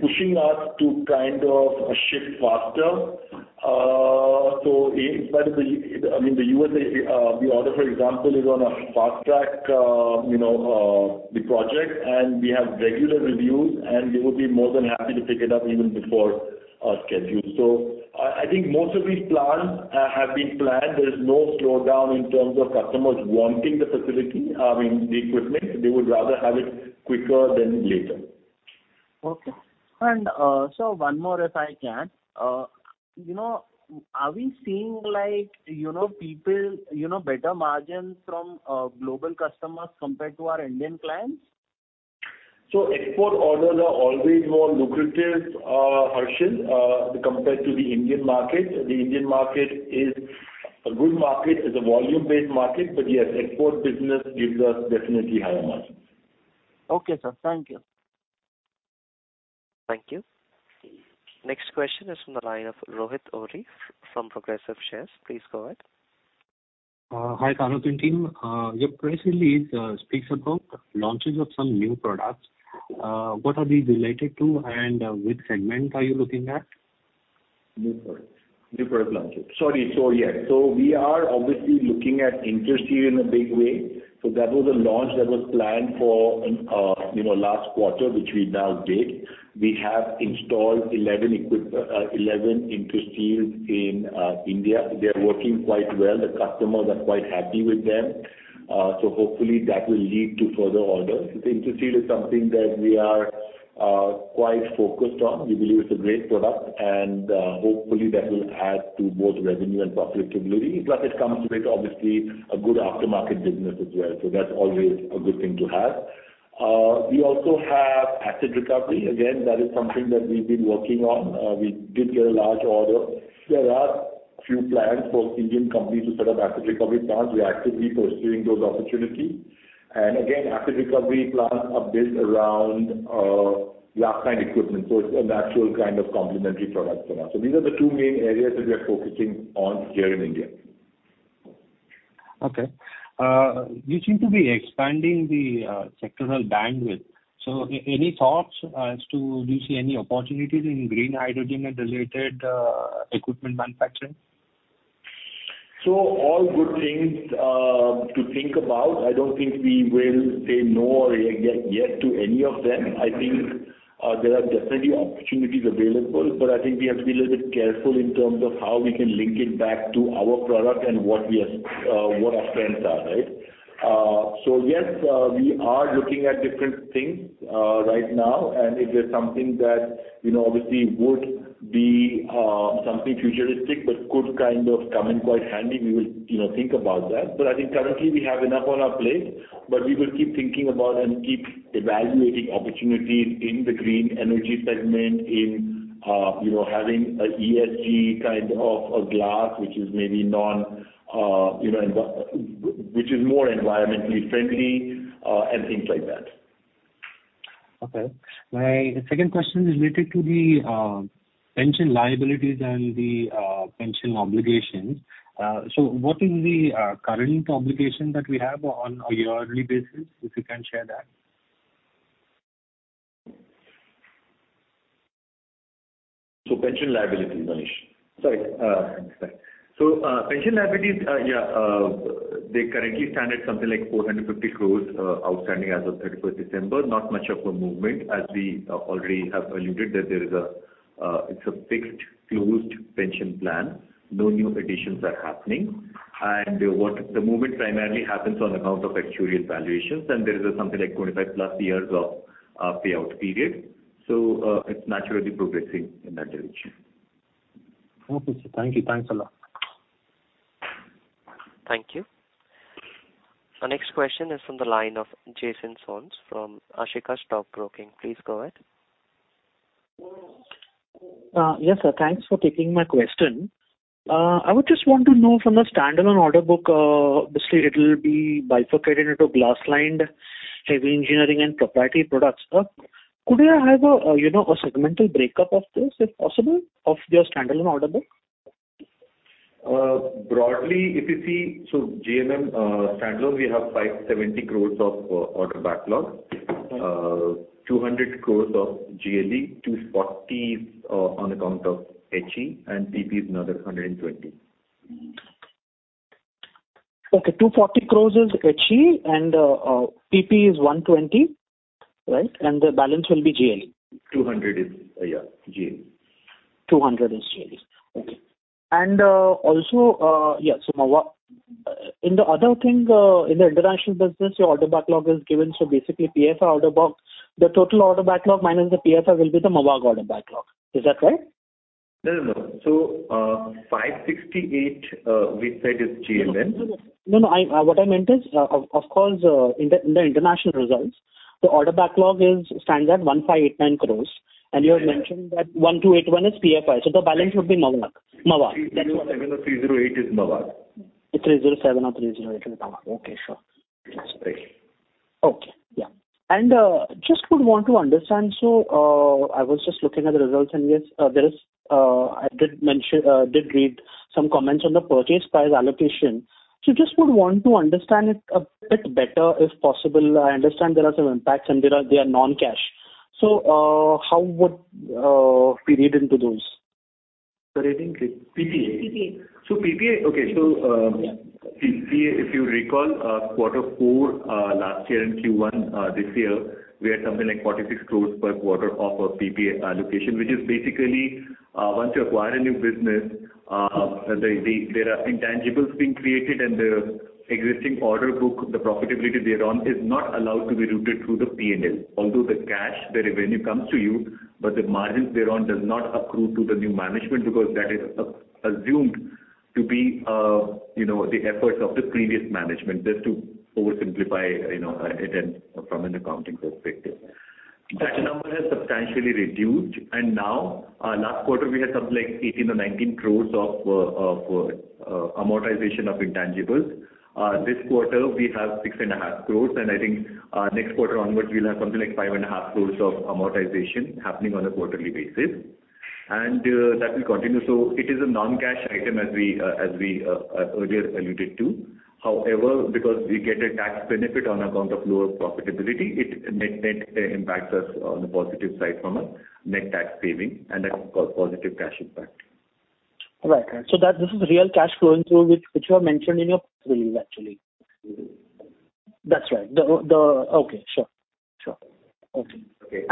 pushing us to kind of shift faster. In spite of the, I mean, the USA, the order for example, is on a fast track, you know, the project and we have regular reviews, and they would be more than happy to pick it up even before schedule. I think most of these plans have been planned. There is no slowdown in terms of customers wanting the facility, I mean, the equipment. They would rather have it quicker than later. Okay. Sir, one more if I can. You know, are we seeing like, you know, people, you know, better margin from global customers compared to our Indian clients? Export orders are always more lucrative, Harshal, compared to the Indian market. The Indian market is a good market, is a volume-based market, but yes, export business gives us definitely higher margins. Okay, sir. Thank you. Thank you. Next question is from the line of Rohit Ohri from Progressive Shares. Please go ahead. Hi, Tarak Patel and team. Your press release speaks about launches of some new products. What are these related to, and which segment are you looking at? New product launches. We are obviously looking at Interseal in a big way. That was a launch that was planned for in, you know, last quarter, which we now did. We have installed 11 Interseal in India. They are working quite well. The customers are quite happy with them. Hopefully that will lead to further orders. The Interseal is something that we are quite focused on. We believe it's a great product, and hopefully that will add to both revenue and profitability. Plus, it comes with obviously a good aftermarket business as well. That's always a good thing to have. We also have Acid recovery. Again, that is something that we've been working on. We did get a large order. There are a few plans for Indian companies to set up asset recovery plants. We are actively pursuing those opportunities. Again, asset recovery plants are based around glass-lined equipment, so it's a natural kind of complementary product for us. These are the two main areas that we are focusing on here in India. You seem to be expanding the sectoral bandwidth. Any thoughts as to do you see any opportunities in green hydrogen and related equipment manufacturing? All good things to think about. I don't think we will say no or yet to any of them. I think there are definitely opportunities available, but I think we have to be a little bit careful in terms of how we can link it back to our product and what we are, what our strengths are, right? Yes, we are looking at different things right now, and if there's something that, you know, obviously would be something futuristic but could kind of come in quite handy, we will, you know, think about that. I think currently we have enough on our plate, but we will keep thinking about and keep evaluating opportunities in the green energy segment, you know, having an ESG kind of a glass, which is more environmentally friendly, and things like that. Okay. My second question is related to the pension liabilities and the pension obligations. What is the current obligation that we have on a yearly basis, if you can share that? Pension liabilities, Manish. Sorry. Pension liabilities they currently stand at something like 450 crore outstanding as of December 31st. Not much of a movement, as we already have alluded that there is, it's a fixed closed pension plan. No new additions are happening. The movement primarily happens on account of actuarial valuations, and there is something like 25+ years of payout period. It's naturally progressing in that direction. Okay, sir. Thank you. Thanks a lot. Thank you. Our next question is from the line of Jason Soans from Ashika Stock Broking. Please go ahead. Yes, sir. Thanks for taking my question. I would just want to know from the standalone order book, obviously it will be bifurcated into Glass-Lined Heavy Engineering and Proprietary Products. Could I have a, you know, a segmental breakup of this, if possible, of your standalone order book? Broadly, if you see, GMM standalone, we have 570 crores of order backlog. 200 crores of GLE, 240 on account of HE, and PP is another 120. 240 crores is HE and PP is 120, right? The balance will be GLE. 200 is, yeah, GLE. 200 is GLE. Okay. Mavag in the other thing in the international business, your order backlog is given, so basically PFI order backlog. The total order backlog minus the PFI will be the Mavag order backlog. Is that right? No, no. 568, we said is GMM. No. What I meant is, of course, in the international results, the order backlog stands at 1589 crores. You had mentioned that 1281 is PFI, so the balance would be Mavag. 307 or 308 is Mavag. 307 or 308 is Mavag. Okay. Sure. Yes, right. Okay. Yeah. I just would want to understand. I was just looking at the results, and yes, I did mention I read some comments on the purchase price allocation. I just would want to understand it a bit better, if possible. I understand there are some impacts and they are non-cash. How would we read into those? Sorry, I didn't get PPA? PPA. PPA, if you recall, quarter four last year in Q1 this year, we had something like 46 crores per quarter of PPA allocation, which is basically, once you acquire a new business, there are intangibles being created and the existing order book, the profitability thereon is not allowed to be routed through the P&L. Although the cash, the revenue comes to you, but the margins thereon does not accrue to the new management because that is assumed to be, you know, the efforts of the previous management, just to oversimplify, you know, it and from an accounting perspective. That number has substantially reduced. Now, last quarter, we had something like 18 or 19 crores of amortization of intangibles. This quarter, we have 6.5 crores, and I think next quarter onwards, we'll have something like 5.5 crores of amortization happening on a quarterly basis. That will continue. It is a non-cash item as we earlier alluded to. However, because we get a tax benefit on account of lower profitability, it net impacts us on the positive side from a net tax saving and a positive cash impact. Right. That this is real cash flowing through which you have mentioned in your release, actually. Mm-hmm. That's right. Okay. Sure. Okay. Okay.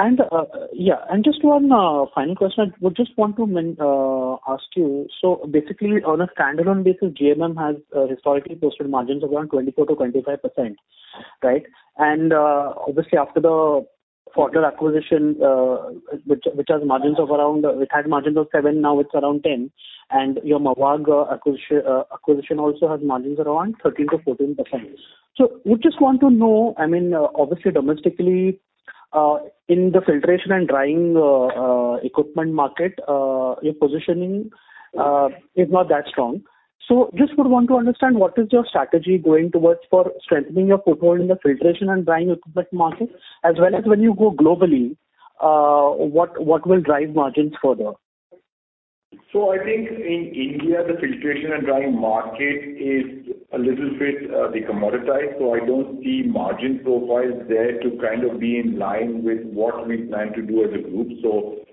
Just one final question. I would just want to ask you. So basically on a standalone basis, GMM has historically posted margins of around 24%-25%, right? Obviously after the Pfaudler acquisition, which had margins of around 7%, now it's around 10%. And your Mavag acquisition also has margins around 13%-14%. So would just want to know, I mean, obviously, domestically in the filtration and drying equipment market, your positioning is not that strong. So just would want to understand what is your strategy going towards for strengthening your foothold in the filtration and drying equipment market as well as when you go globally, what will drive margins further? I think in India, the filtration and drying market is a little bit commoditized, so I don't see margin profiles there to kind of be in line with what we plan to do as a group.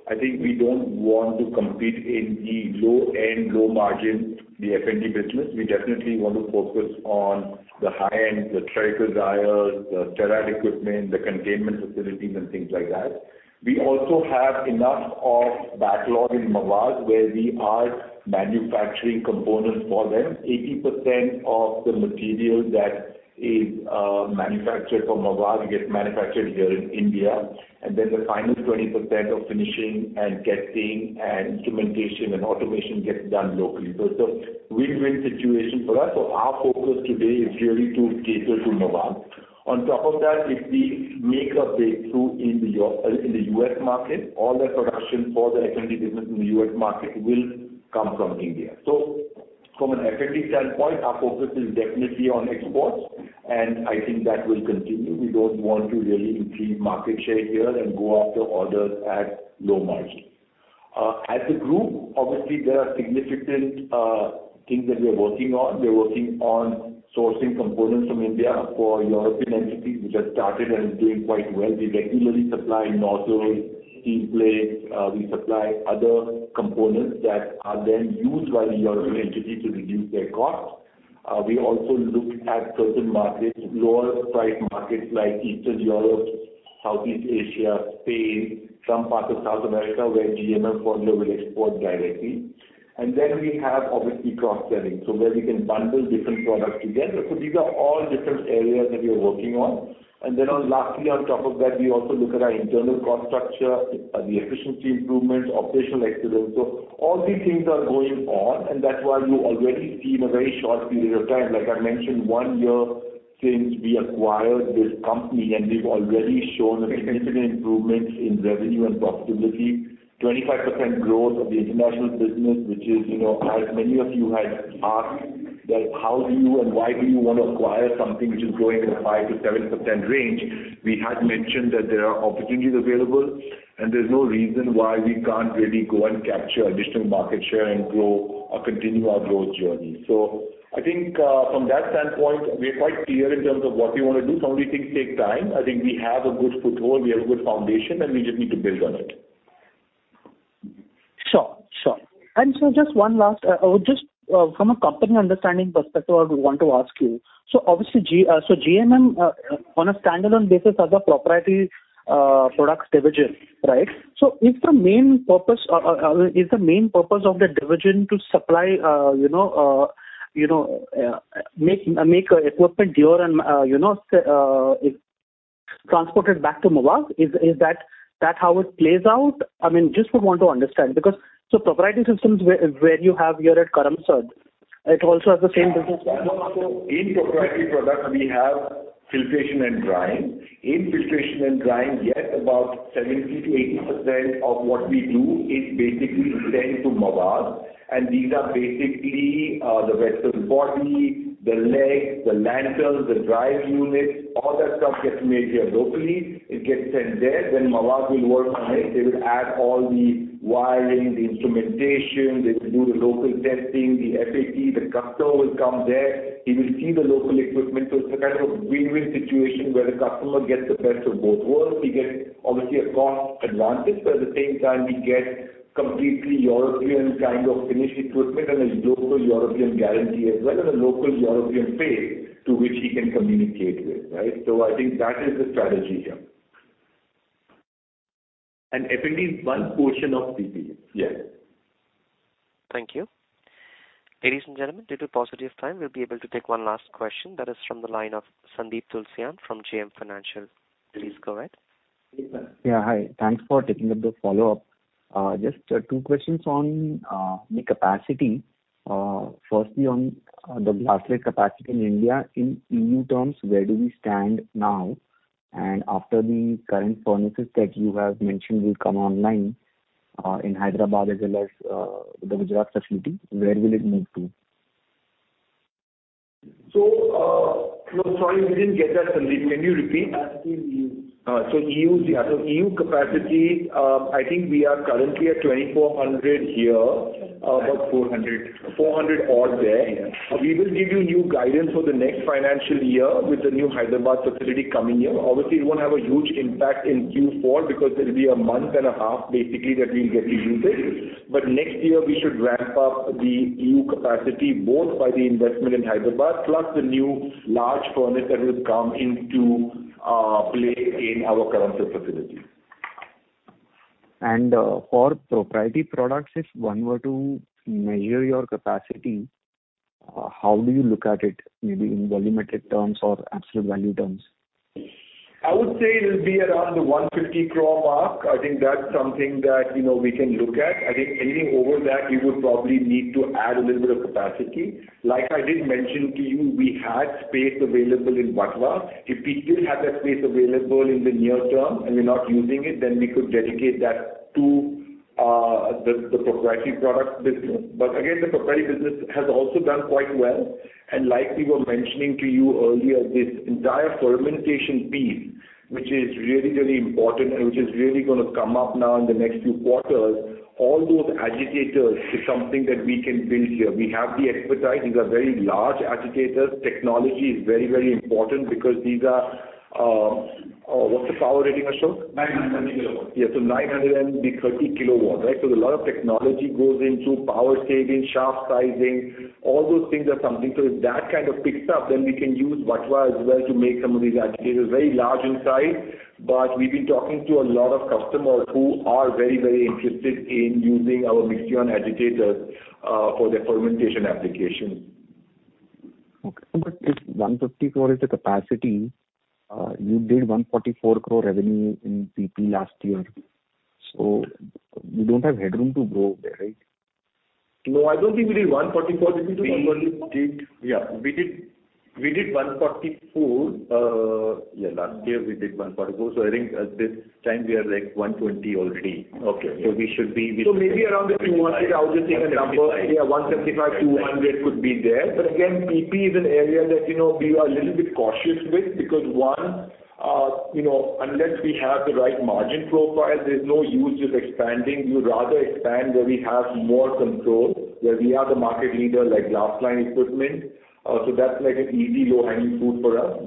I think we don't want to compete in the low-end, low margin, the F&D business. We definitely want to focus on the high-end, the ANFDs, the sterile equipment, the containment facilities and things like that. We also have enough of backlog in Mavag, where we are manufacturing components for them. 80% of the material that is manufactured for Mavag gets manufactured here in India. And then the final 20% of finishing and testing and instrumentation and automation gets done locally. It's a win-win situation for us. Our focus today is really to cater to Mavag. On top of that, if we make a breakthrough in the U.S. market, all the production for the F&D business in the U.S. market will come from India. From an F&D standpoint, our focus is definitely on exports, and I think that will continue. We don't want to really increase market share here and go after orders at low margin. As a group, obviously, there are significant things that we are working on. We're working on sourcing components from India for European entities, which has started and is doing quite well. We regularly supply nozzles, steam plates, we supply other components that are then used by the European entity to reduce their costs. We also look at certain markets, lower price markets like Eastern Europe, Southeast Asia, Spain, some parts of South America, where GMM Pfaudler will export directly. We have obviously cross-selling, so where we can bundle different products together. These are all different areas that we are working on. Lastly, on top of that, we also look at our internal cost structure, the efficiency improvements, operational excellence. All these things are going on, and that's why you already see in a very short period of time, like I mentioned, one year since we acquired this company, and we've already shown significant improvements in revenue and profitability. 25% growth of the international business, which is, you know, as many of you had asked that how do you and why do you wanna acquire something which is growing at a 5%-7% range? We had mentioned that there are opportunities available, and there's no reason why we can't really go and capture additional market share and grow or continue our growth journey. I think, from that standpoint, we're quite clear in terms of what we wanna do. Some of these things take time. I think we have a good foothold, we have a good foundation, and we just need to build on it. Sure, sure. Just one last or just from a company understanding perspective, I would want to ask you. Obviously GMM on a standalone basis has a proprietary products division, right? Is the main purpose of that division to supply you know make equipment here and you know transported back to Mavag? Is that how it plays out? I mean, just would want to understand because proprietary systems where you have here at Karamsad, it also has the same business model. Yeah. In proprietary products, we have filtration and drying. In filtration and drying, about 70%-80% of what we do is basically sent to Mavag. These are basically the vessel body, the leg, the mantle, the drive unit, all that stuff gets made here locally. It gets sent there, then Mavag will work on it. They will add all the wiring, the instrumentation. They will do the local testing, the FAT. The customer will come there. He will see the local equipment. It's a kind of a win-win situation where the customer gets the best of both worlds. He gets obviously a cost advantage, but at the same time he gets completely European kind of finished equipment and a local European guarantee as well, and a local European face to which he can communicate with, right? I think that is the strategy here. F&D is one portion of PP. Yes. Thank you. Ladies and gentlemen, due to the time, we'll be able to take one last question. That is from the line of Sandeep Tulsiyan from JM Financial. Please go ahead. Yeah, hi. Thanks for taking up the follow-up. Just two questions on the capacity. Firstly on the glass-lined capacity in India, in EU terms, where do we stand now? After the current furnaces that you have mentioned will come online in Hyderabad as well as the Gujarat facility, where will it move to? No, sorry, we didn't get that, Sandeep. Can you repeat? Capacity in EU. EU capacity, I think we are currently at 2,400 here. About 400. 400 odd there. Yes. We will give you new guidance for the next financial year with the new Hyderabad facility coming here. Obviously, it won't have a huge impact in Q4 because it'll be a month and a half basically that we'll get to use it. Next year we should ramp up the EU capacity, both by the investment in Hyderabad, plus the new large furnace that will come into play in our current facility. For proprietary products, if one were to measure your capacity, how do you look at it? Maybe in volumetric terms or absolute value terms? I would say it'll be around the 150 crore mark. I think that's something that, you know, we can look at. I think anything over that, we would probably need to add a little bit of capacity. Like I did mention to you, we had space available in Vatva. If we still have that space available in the near term and we're not using it, then we could dedicate that to the proprietary product business. Again, the proprietary business has also done quite well. Like we were mentioning to you earlier, this entire fermentation piece, which is really, really important and which is really gonna come up now in the next few quarters, all those agitators is something that we can build here. We have the expertise. These are very large agitators. Technology is very, very important because these are, what's the power rating, Ashok? 930 kW. 930 kW, right? A lot of technology goes into power saving, shaft sizing, all those things are something. If that kind of picks up, then we can use Vatva as well to make some of these agitators. Very large in size, but we've been talking to a lot of customers who are very, very interested in using our Mixion agitators for their fermentation applications. If 150 crore is the capacity, you did 144 crore revenue in PP last year. You don't have headroom to grow there, right? No, I don't think we did 144. Did we do 144? We did. Yeah. We did 144. Yeah, last year we did 144. I think at this time we are like 120 already. Okay. We should be- Maybe around the 200. I was just saying a number. 175. Yeah, 175-200 could be there. Again, PP is an area that, you know, we are a little bit cautious with because one, you know, unless we have the right margin profile, there's no use just expanding. We would rather expand where we have more control, where we are the market leader, like glass-lined equipment. So that's like an easy low-hanging fruit for us.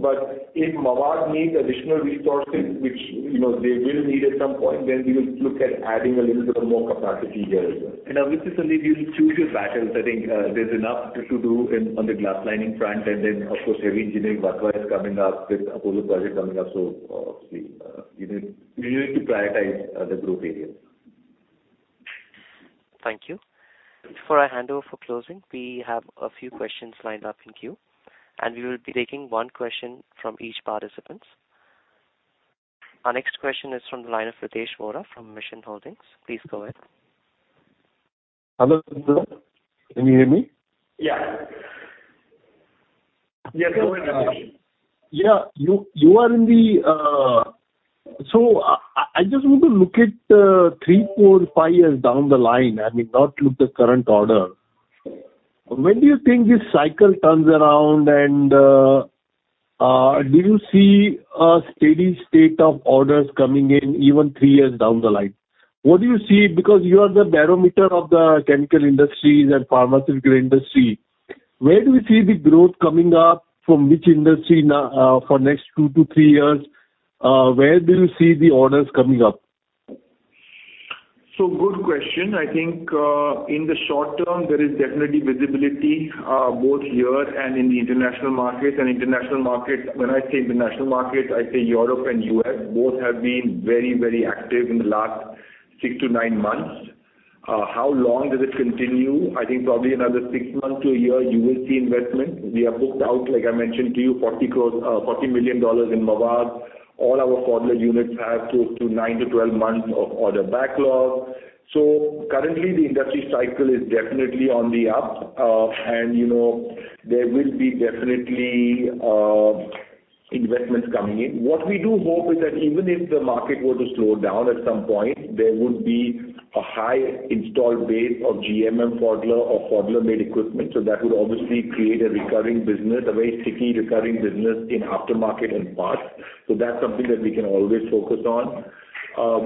If Mavag needs additional resources, which, you know, they will need at some point, then we will look at adding a little bit more capacity here as well. Obviously, Sandeep, you choose your battles. I think, there's enough to do in on the glass lining front. Of course, Heavy Engineering Vatva is coming up with Project Apollo coming up. Obviously, we need to prioritize the growth areas. Thank you. Before I hand over for closing, we have a few questions lined up in queue, and we will be taking one question from each participants. Our next question is from the line of Pritesh Vora from Mission Holdings. Please go ahead. Hello. Can you hear me? Yeah. Yeah, go ahead. Yeah. You are in the. I just want to look at three, four, five years down the line. I mean, not look at the current order. When do you think this cycle turns around and do you see a steady state of orders coming in even three years down the line? What do you see? Because you are the barometer of the chemical industries and pharmaceutical industry. Where do we see the growth coming up from which industry now, for next two to three years? Where do you see the orders coming up? Good question. I think in the short term, there is definitely visibility both here and in the international markets. International markets, when I say the international markets, I say Europe and U.S., both have been very, very active in the last six to nine months. How long does it continue? I think probably another six months to a year, you will see investment. We are booked out, like I mentioned to you, $40 million in Mavag. All our Pfaudler units have two to nine to 12 months of order backlog. Currently, the industry cycle is definitely on the up. You know, there will be definitely investments coming in. What we do hope is that even if the market were to slow down at some point, there would be a high install base of GMM Pfaudler or Pfaudler-made equipment. That would obviously create a recurring business, a very sticky recurring business in aftermarket and parts. That's something that we can always focus on.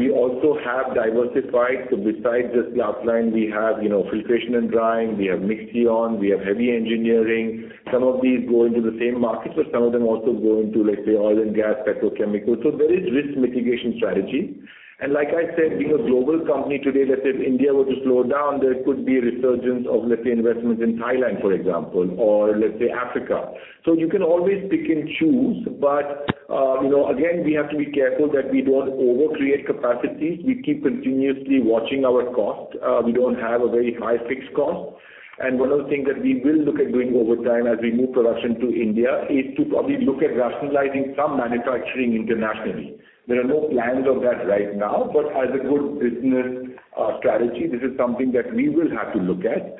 We also have diversified. Besides this glass-lined, we have, you know, filtration and drying, we have Mixion, we have heavy engineering. Some of these go into the same markets, but some of them also go into, let's say, oil and gas, petrochemical. There is risk mitigation strategy. Like I said, being a global company today, let's say if India were to slow down, there could be a resurgence of, let's say, investments in Thailand, for example, or let's say Africa. You can always pick and choose, but, you know, again, we have to be careful that we don't over-create capacity. We keep continuously watching our cost. We don't have a very high fixed cost. One of the things that we will look at doing over time as we move production to India is to probably look at rationalizing some manufacturing internationally. There are no plans of that right now, but as a good business strategy, this is something that we will have to look at.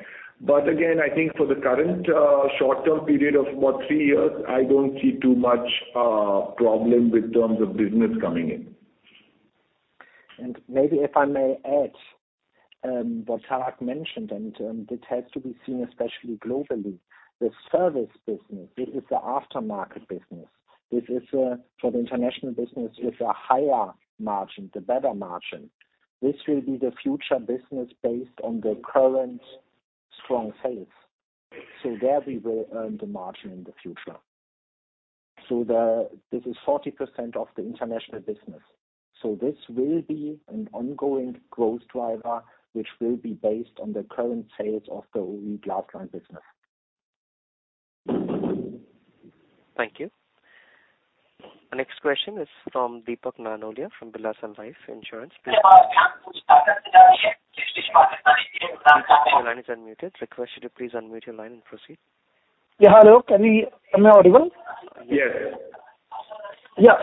I think for the current short-term period of about three years, I don't see too much problem in terms of business coming in. Maybe if I may add, what Tarak mentioned, this has to be seen especially globally. The service business, it is the aftermarket business. This is for the international business is a higher margin, the better margin. This will be the future business based on the current strong sales. This is 40% of the international business. This will be an ongoing growth driver, which will be based on the current sales of the OE glass line business. Thank you. Our next question is from Deepak Narnolia, from Aditya Birla Sun Life Insurance. Your line is unmuted. Request you to please unmute your line and proceed. Yeah. Hello. Am I audible? Yes. Yeah.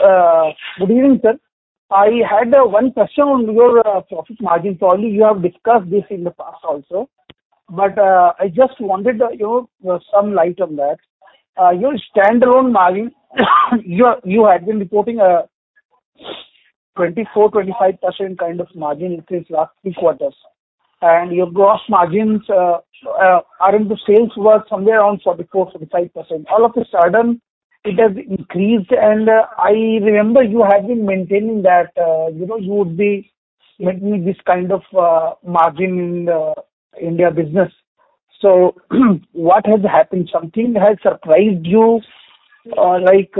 Good evening, sir. I had one question on your profit margin. Probably you have discussed this in the past also, but I just wanted you know some light on that. Your standalone margin you had been reporting 24%-25% kind of margin increase last three quarters. Your gross margins are somewhere around 44%-45%. All of a sudden, it has increased. I remember you had been maintaining that you know you would be making this kind of margin in the India business. What has happened? Something has surprised you? Or like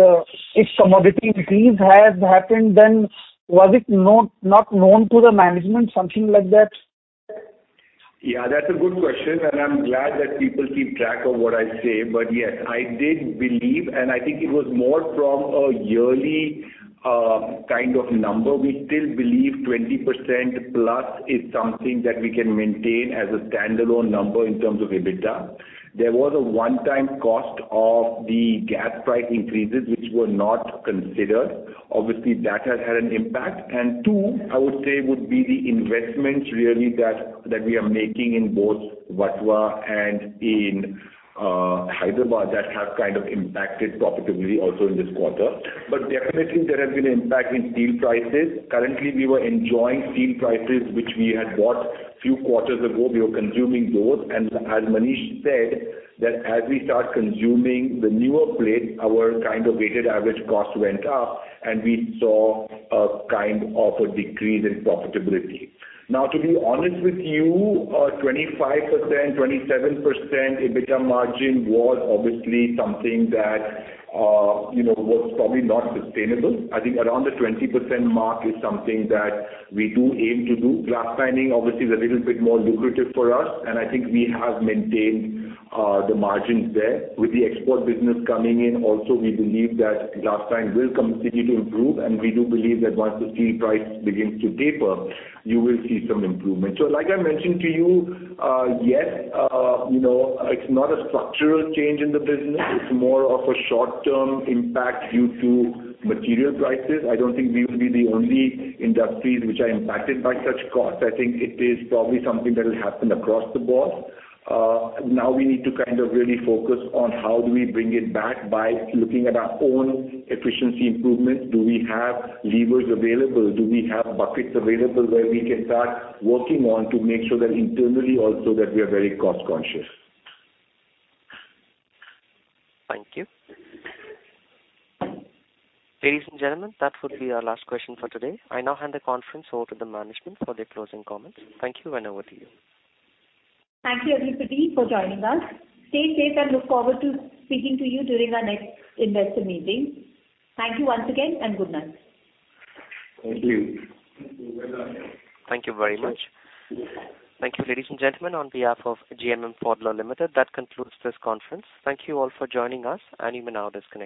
if commodity increase has happened, then was it not known to the management, something like that? Yeah, that's a good question, and I'm glad that people keep track of what I say. Yes, I did believe, and I think it was more from a yearly kind of number. We still believe 20%+ is something that we can maintain as a standalone number in terms of EBITDA. There was a one-time cost of the gas price increases which were not considered. Obviously, that has had an impact. Two, I would say, would be the investments really that we are making in both Vatva and in Hyderabad that have kind of impacted profitability also in this quarter. Definitely there has been an impact in steel prices. Currently, we were enjoying steel prices which we had bought few quarters ago. We were consuming those. As Manish said that as we start consuming the newer plate, our kind of weighted average cost went up and we saw a kind of a decrease in profitability. Now, to be honest with you, 25%, 27% EBITDA margin was obviously something that, you know, was probably not sustainable. I think around the 20% mark is something that we do aim to do. Glass lining obviously is a little bit more lucrative for us, and I think we have maintained the margins there. With the export business coming in also, we believe that glass line will continue to improve, and we do believe that once the steel price begins to taper, you will see some improvement. Like I mentioned to you, yes, you know, it's not a structural change in the business. It's more of a short-term impact due to material prices. I don't think we will be the only industries which are impacted by such costs. I think it is probably something that will happen across the board. Now we need to kind of really focus on how do we bring it back by looking at our own efficiency improvements. Do we have levers available? Do we have buckets available where we can start working on to make sure that internally also that we are very cost-conscious? Thank you. Ladies and gentlemen, that would be our last question for today. I now hand the conference over to the management for their closing comments. Thank you, and over to you. Thank you, everybody, for joining us. Stay safe, and we look forward to speaking to you during our next investor meeting. Thank you once again, and good night. Thank you. Thank you very much. Thank you, ladies and gentlemen. On behalf of GMM Pfaudler Limited, that concludes this conference. Thank you all for joining us, and you may now disconnect.